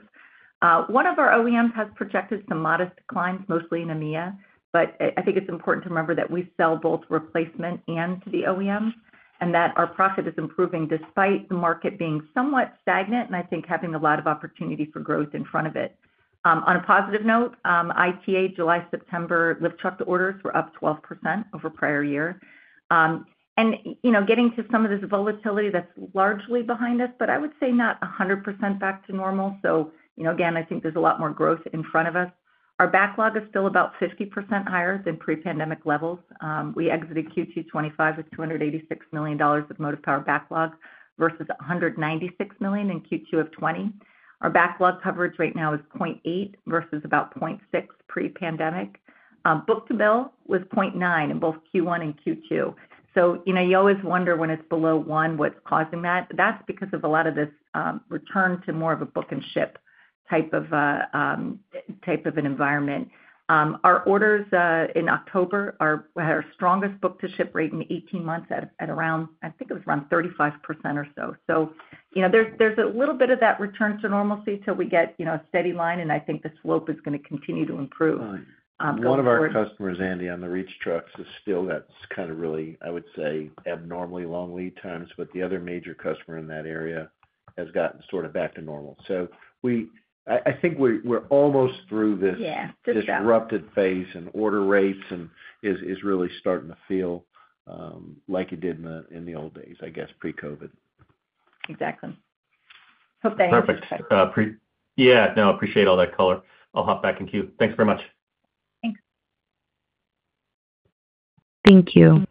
One of our OEMs has projected some modest declines, mostly in EMEA. I think it's important to remember that we sell both replacement and to the OEMs and that our profit is improving despite the market being somewhat stagnant. I think having a lot of opportunity for growth in front of it. On a positive note, ITA, July, September, lift truck orders were up 12% over prior year. And getting to some of this volatility that's largely behind us, but I would say not 100% back to normal. So again, I think there's a lot more growth in front of us. Our backlog is still about 50% higher than pre-pandemic levels. We exited Q2 2025 with $286 million of motive power backlog versus $196 million in Q2 of 2020. Our backlog coverage right now is 0.8 versus about 0.6 pre-pandemic. Book to bill was 0.9 in both Q1 and Q2. So you always wonder when it's below 1, what's causing that. That's because of a lot of this return to more of a book and ship type of an environment. Our orders in October had our strongest book-to-ship rate in 18 months at around, I think it was around 35% or so. So there's a little bit of that return to normalcy until we get a steady line. And I think the slope is going to continue to improve. One of our customers, Andy, on the reach trucks has still got kind of really, I would say, abnormally long lead times. But the other major customer in that area has gotten sort of back to normal. So I think we're almost through this disrupted phase and order rates and is really starting to feel like it did in the old days, I guess, pre-COVID. Exactly. Hope that helps. Perfect. Yeah. No, I appreciate all that color. I'll hop back in queue. Thanks very much. Thanks. Thank you.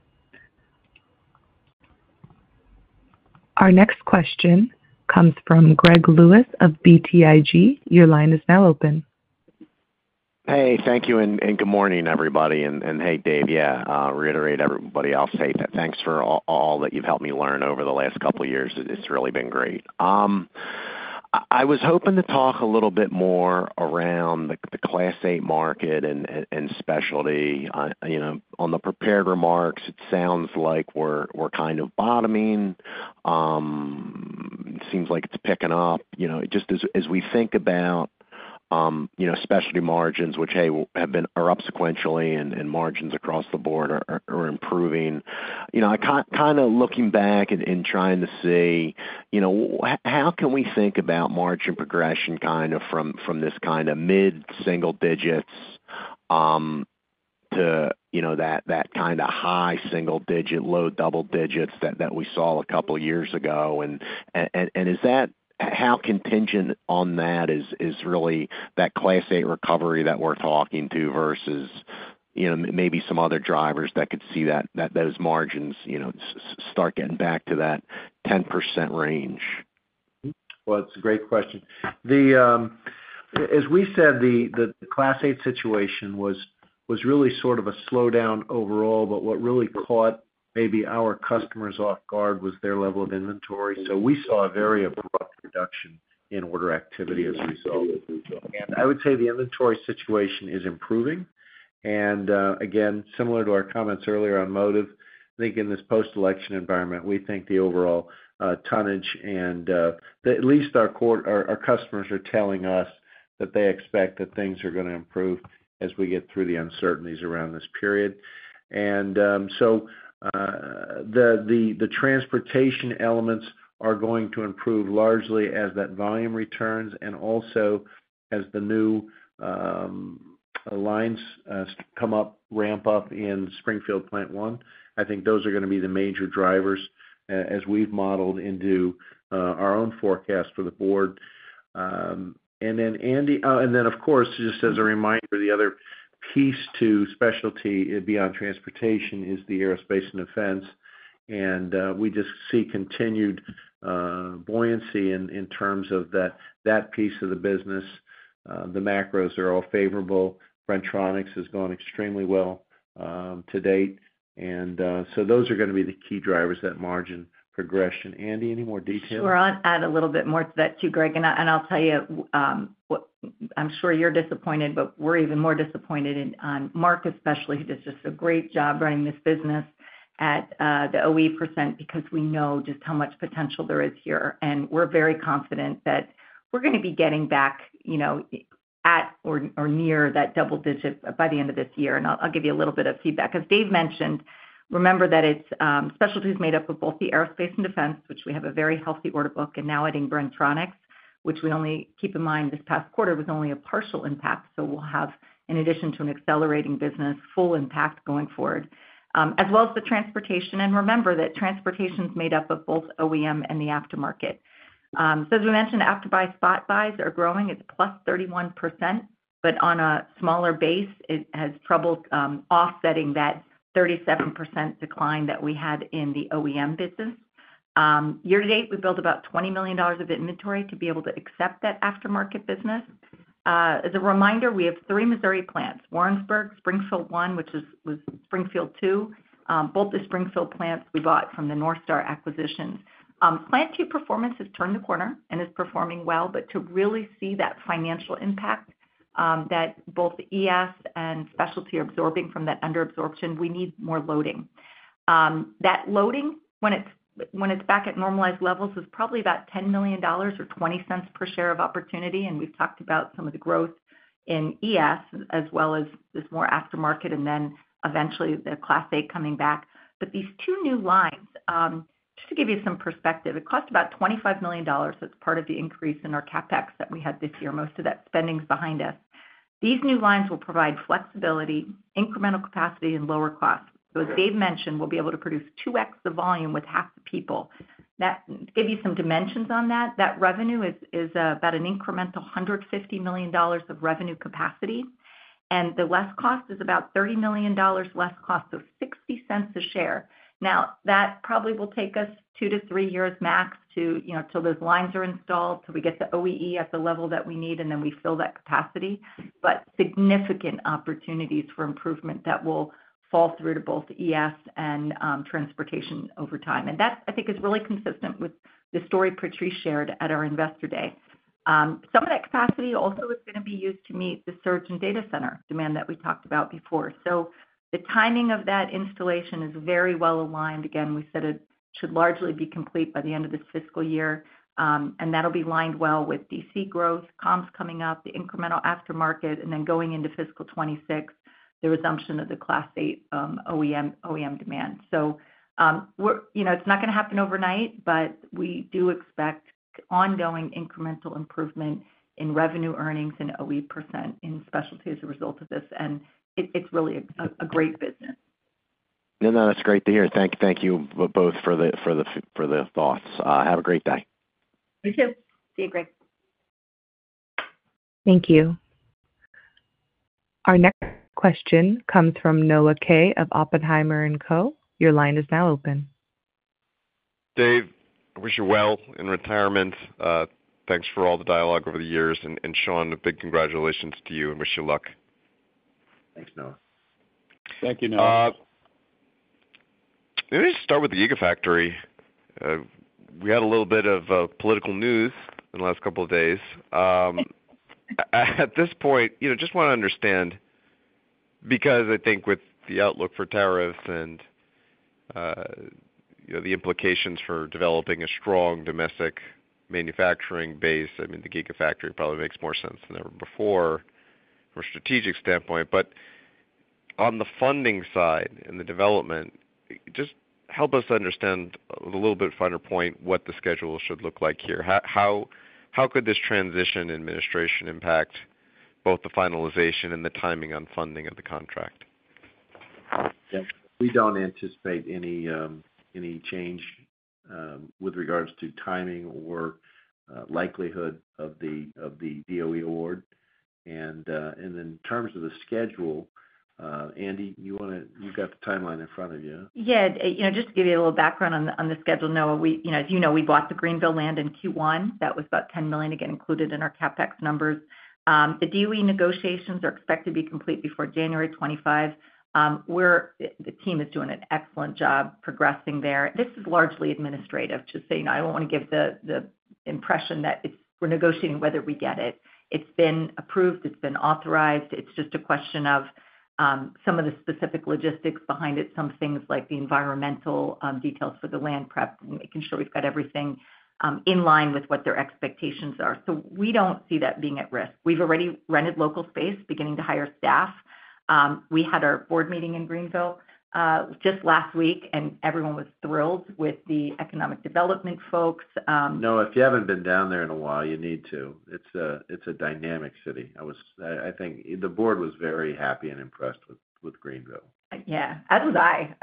Our next question comes from Greg Lewis of BTIG. Your line is now open. Hey, thank you. And good morning, everybody. And hey, Dave, yeah, reiterate everybody else's hate. Thanks for all that you've helped me learn over the last couple of years. It's really been great. I was hoping to talk a little bit more around the Class 8 market and specialty. On the prepared remarks, it sounds like we're kind of bottoming. It seems like it's picking up. Just as we think about specialty margins, which, hey, are up sequentially and margins across the board are improving. Kind of looking back and trying to see how can we think about margin progression kind of from this kind of mid-single digits to that kind of high single digit, low double digits that we saw a couple of years ago. And how contingent on that is really that Class 8 recovery that we're talking to versus maybe some other drivers that could see those margins start getting back to that 10% range? Well, it's a great question. As we said, the Class 8 situation was really sort of a slowdown overall. But what really caught maybe our customers off guard was their level of inventory. So we saw a very abrupt reduction in order activity as a result. And I would say the inventory situation is improving. And again, similar to our comments earlier on motive, I think in this post-election environment, we think the overall tonnage and at least our customers are telling us that they expect that things are going to improve as we get through the uncertainties around this period. And so the transportation elements are going to improve largely as that volume returns and also as the new lines come up, ramp up in Springfield Plant 1. I think those are going to be the major drivers as we've modeled into our own forecast for the board. And then, Andy, and then, of course, just as a reminder, the other piece to specialty beyond transportation is the aerospace and defense. And we just see continued buoyancy in terms of that piece of the business. The macros are all favorable. Bren-Tronics has gone extremely well to date. And so those are going to be the key drivers, that margin progression. Andy, any more details? Sure. I'll add a little bit more to that too, Greg. And I'll tell you, I'm sure you're disappointed, but we're even more disappointed on Mark, especially, who does just a great job running this business at the OE percent because we know just how much potential there is here. And we're very confident that we're going to be getting back at or near that double digit by the end of this year. And I'll give you a little bit of feedback. As Dave mentioned, remember that Specialty is made up of both the aerospace and defense, which we have a very healthy order book. Now adding Bren-Tronics, which we only keep in mind this past quarter was only a partial impact. We'll have, in addition to an accelerating business, full impact going forward, as well as the Transportation. Remember that Transportation is made up of both OEM and the aftermarket. As we mentioned, aftermarket spot buys are growing. It's +31%. But on a smaller base, it's having trouble offsetting that 37% decline that we had in the OEM business. Year to date, we built about $20 million of inventory to be able to accept that aftermarket business. As a reminder, we have three Missouri plants: Warrensburg, Springfield 1, and Springfield 2. Both the Springfield plants we bought from the NorthStar acquisitions. Plant 2 performance has turned the corner and is performing well, but to really see that financial impact that both ES and specialty are absorbing from that underabsorption, we need more loading. That loading, when it's back at normalized levels, is probably about $10 million or $0.20 per share of opportunity, and we've talked about some of the growth in ES as well as this more aftermarket and then eventually the Class 8 coming back, but these two new lines, just to give you some perspective, it cost about $25 million. That's part of the increase in our CapEx that we had this year. Most of that spending is behind us. These new lines will provide flexibility, incremental capacity, and lower costs, so as Dave mentioned, we'll be able to produce 2x the volume with half the people. To give you some dimensions on that, that revenue is about an incremental $150 million of revenue capacity. And the less cost is about $30 million less cost of $0.60 a share. Now, that probably will take us two to three years max until those lines are installed, till we get the OEE at the level that we need, and then we fill that capacity. But significant opportunities for improvement that will fall through to both ES and transportation over time. And that, I think, is really consistent with the story Patrice shared at our Investor Day. Some of that capacity also is going to be used to meet the surge in data center demand that we talked about before. So the timing of that installation is very well aligned. Again, we said it should largely be complete by the end of this fiscal year. And that'll be lined well with DC growth, comms coming up, the incremental aftermarket, and then going into fiscal 2026, the resumption of the Class 8 OEM demand. So it's not going to happen overnight, but we do expect ongoing incremental improvement in revenue earnings and OE percent in specialty as a result of this. And it's really a great business. No, no, that's great to hear. Thank you both for the thoughts. Have a great day. You too. See you, Greg. Thank you. Our next question comes from Noah Kaye of Oppenheimer & Co. Your line is now open. Dave, I wish you well in retirement. Thanks for all the dialogue over the years. And Shawn, a big congratulations to you. And wish you luck. Thanks, Noah. Thank you, Noah. Let me just start with the gigafactory. We had a little bit of political news in the last couple of days. At this point, just want to understand, because I think with the outlook for tariffs and the implications for developing a strong domestic manufacturing base, I mean, the gigafactory probably makes more sense than ever before from a strategic standpoint. But on the funding side and the development, just help us understand a little bit finer point what the schedule should look like here. How could this transition administration impact both the finalization and the timing on funding of the contract? Yeah. We don't anticipate any change with regards to timing or likelihood of the DOE award. And in terms of the schedule, Andy, you've got the timeline in front of you. Yeah. Just to give you a little background on the schedule, Noah, as you know, we bought the Greenville land in Q1. That was about $10 million, again, included in our CapEx numbers. The DOE negotiations are expected to be complete before January 25. The team is doing an excellent job progressing there. This is largely administrative. Just saying I don't want to give the impression that we're negotiating whether we get it. It's been approved. It's been authorized. It's just a question of some of the specific logistics behind it, some things like the environmental details for the land prep, making sure we've got everything in line with what their expectations are. So we don't see that being at risk. We've already rented local space, beginning to hire staff. We had our board meeting in Greenville just last week, and everyone was thrilled with the economic development folks. No, if you haven't been down there in a while, you need to. It's a dynamic city. I think the board was very happy and impressed with Greenville. Yeah. As was I.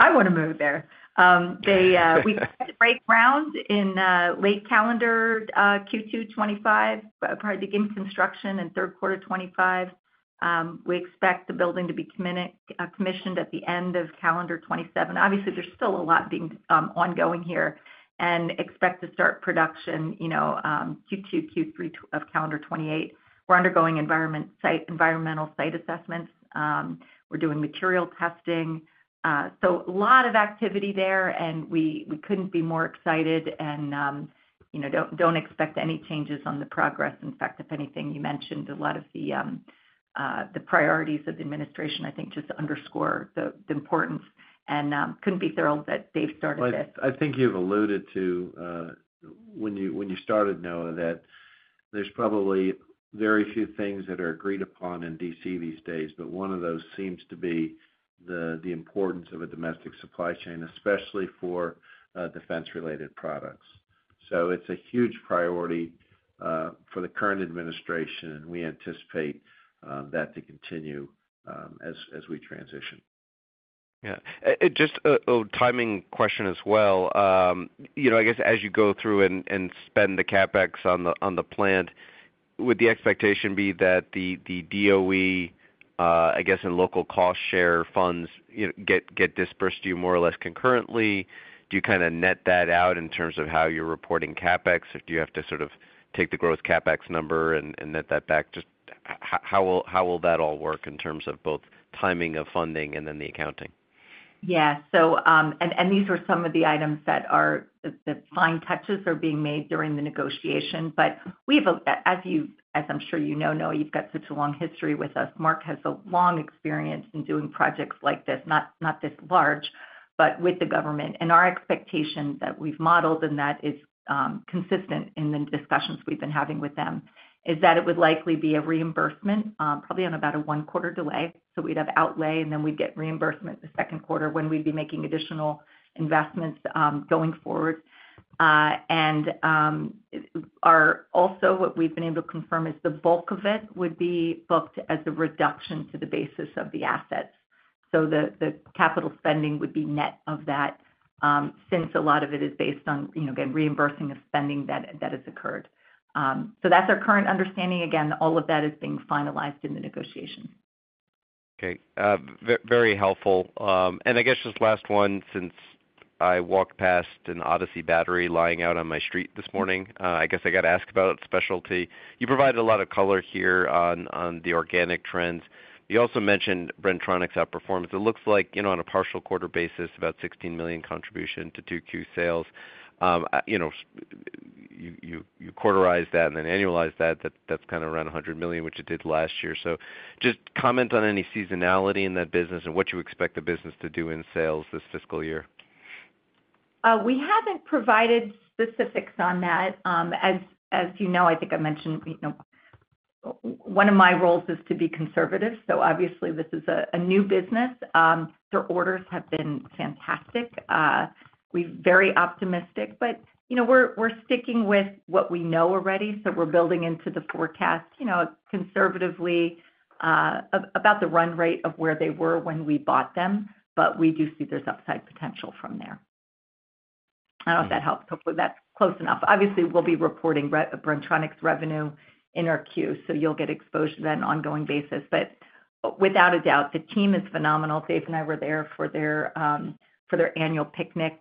I want to move there. We expect to break ground in late calendar Q2 2025, probably begin construction in third quarter 2025. We expect the building to be commissioned at the end of calendar 2027. Obviously, there's still a lot ongoing here and expect to start production Q2, Q3 of calendar 2028. We're undergoing environmental site assessments. We're doing material testing. So a lot of activity there. And we couldn't be more excited. And don't expect any changes on the progress. In fact, if anything, you mentioned a lot of the priorities of the administration, I think, just to underscore the importance. And couldn't be thrilled that Dave started this. I think you've alluded to when you started, Noah, that there's probably very few things that are agreed upon in DC these days. But one of those seems to be the importance of a domestic supply chain, especially for defense-related products. So it's a huge priority for the current administration. And we anticipate that to continue as we transition. Yeah. Just a timing question as well. I guess as you go through and spend the CapEx on the plant, would the expectation be that the DOE, I guess, and local cost share funds get disbursed to you more or less concurrently? Do you kind of net that out in terms of how you're reporting CapEx? Or do you have to sort of take the gross CapEx number and net that back? Just how will that all work in terms of both timing of funding and then the accounting? Yeah. And these were some of the items that are the fine touches are being made during the negotiation. But as I'm sure you know, Noah, you've got such a long history with us. Mark has a long experience in doing projects like this, not this large, but with the government. And our expectation that we've modeled and that is consistent in the discussions we've been having with them is that it would likely be a reimbursement, probably on about a one-quarter delay. So we'd have outlay, and then we'd get reimbursement the second quarter when we'd be making additional investments going forward. And also, what we've been able to confirm is the bulk of it would be booked as a reduction to the basis of the assets. So the capital spending would be net of that since a lot of it is based on, again, reimbursing of spending that has occurred. So that's our current understanding. Again, all of that is being finalized in the negotiations. Okay. Very helpful. And I guess just last one, since I walked past an ODYSSEY battery lying out on my street this morning, I guess I got to ask about specialty. You provided a lot of color here on the organic trends. You also mentioned Bren-Tronics outperformed. It looks like on a partial quarter basis, about $16 million contribution to 2Q sales. You quarterized that and then annualized that. That's kind of around $100 million, which it did last year. So just comment on any seasonality in that business and what you expect the business to do in sales this fiscal year. We haven't provided specifics on that. As you know, I think I mentioned one of my roles is to be conservative. So obviously, this is a new business. Their orders have been fantastic. We're very optimistic. But we're sticking with what we know already. So we're building into the forecast conservatively about the run rate of where they were when we bought them. But we do see there's upside potential from there. I don't know if that helps. Hopefully, that's close enough. Obviously, we'll be reporting Bren-Tronics revenue in our queue. So you'll get exposure to that on an ongoing basis. But without a doubt, the team is phenomenal. Dave and I were there for their annual picnic.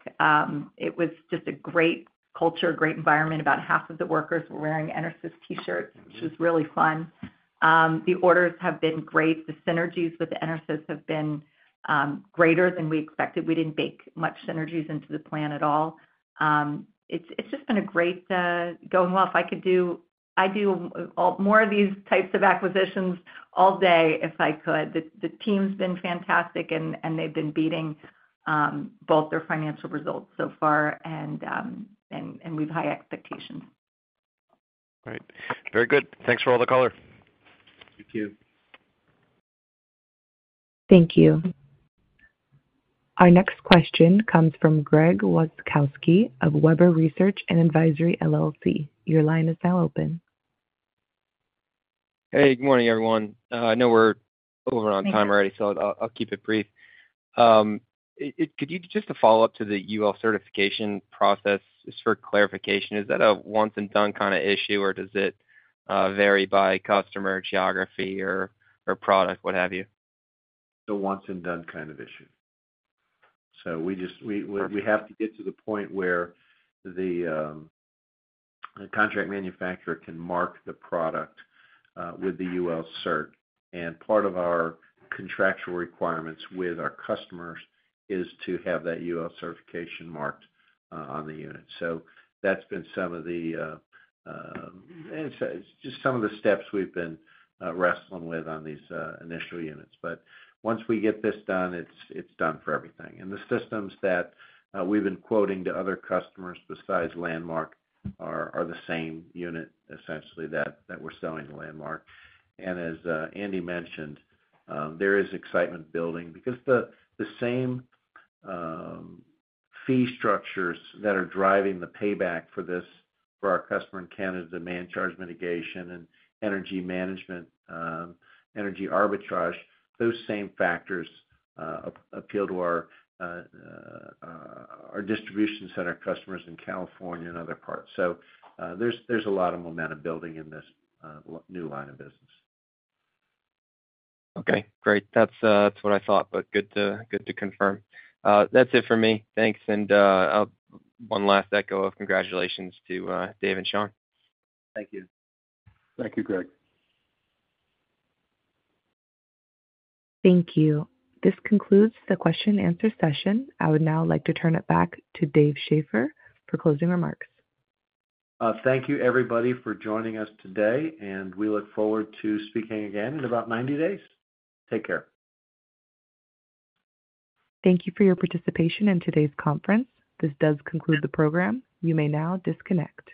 It was just a great culture, great environment. About half of the workers were wearing EnerSys T-shirts, which was really fun. The orders have been great. The synergies with EnerSys have been greater than we expected. We didn't bake much synergies into the plan at all. It's just been a great going well. If I could do more of these types of acquisitions all day, if I could, the team's been fantastic. And they've been beating both their financial results so far. And we have high expectations. Great. Very good. Thanks for all the color. You too. Thank you. Our next question comes from Greg Wasikowski of Webber Research & Advisory LLC. Your line is now open. Hey. Good morning, everyone. I know we're over on time already, so I'll keep it brief. Just a follow-up to the UL certification process, just for clarification, is that a once-and-done kind of issue, or does it vary by customer geography or product, what have you? It's a once-and-done kind of issue. So we have to get to the point where the contract manufacturer can mark the product with the UL cert. And part of our contractual requirements with our customers is to have that UL certification marked on the unit. So that's been some of the. It's just some of the steps we've been wrestling with on these initial units. But once we get this done, it's done for everything. And the systems that we've been quoting to other customers besides Landmark are the same unit, essentially, that we're selling to Landmark. And as Andy mentioned, there is excitement building because the same fee structures that are driving the payback for our customer in Canada, demand charge mitigation and energy management, energy arbitrage, those same factors appeal to our distribution center customers in California and other parts. So there's a lot of momentum building in this new line of business. Okay. Great. That's what I thought, but good to confirm. That's it for me. Thanks. And one last echo of congratulations to Dave and Shawn. Thank you. Thank you, Greg. Thank you. This concludes the question-and-answer session. I would now like to turn it back to Dave Shaffer for closing remarks. Thank you, everybody, for joining us today. And we look forward to speaking again in about 90 days. Take care. Thank you for your participation in today's conference. This does conclude the program. You may now disconnect.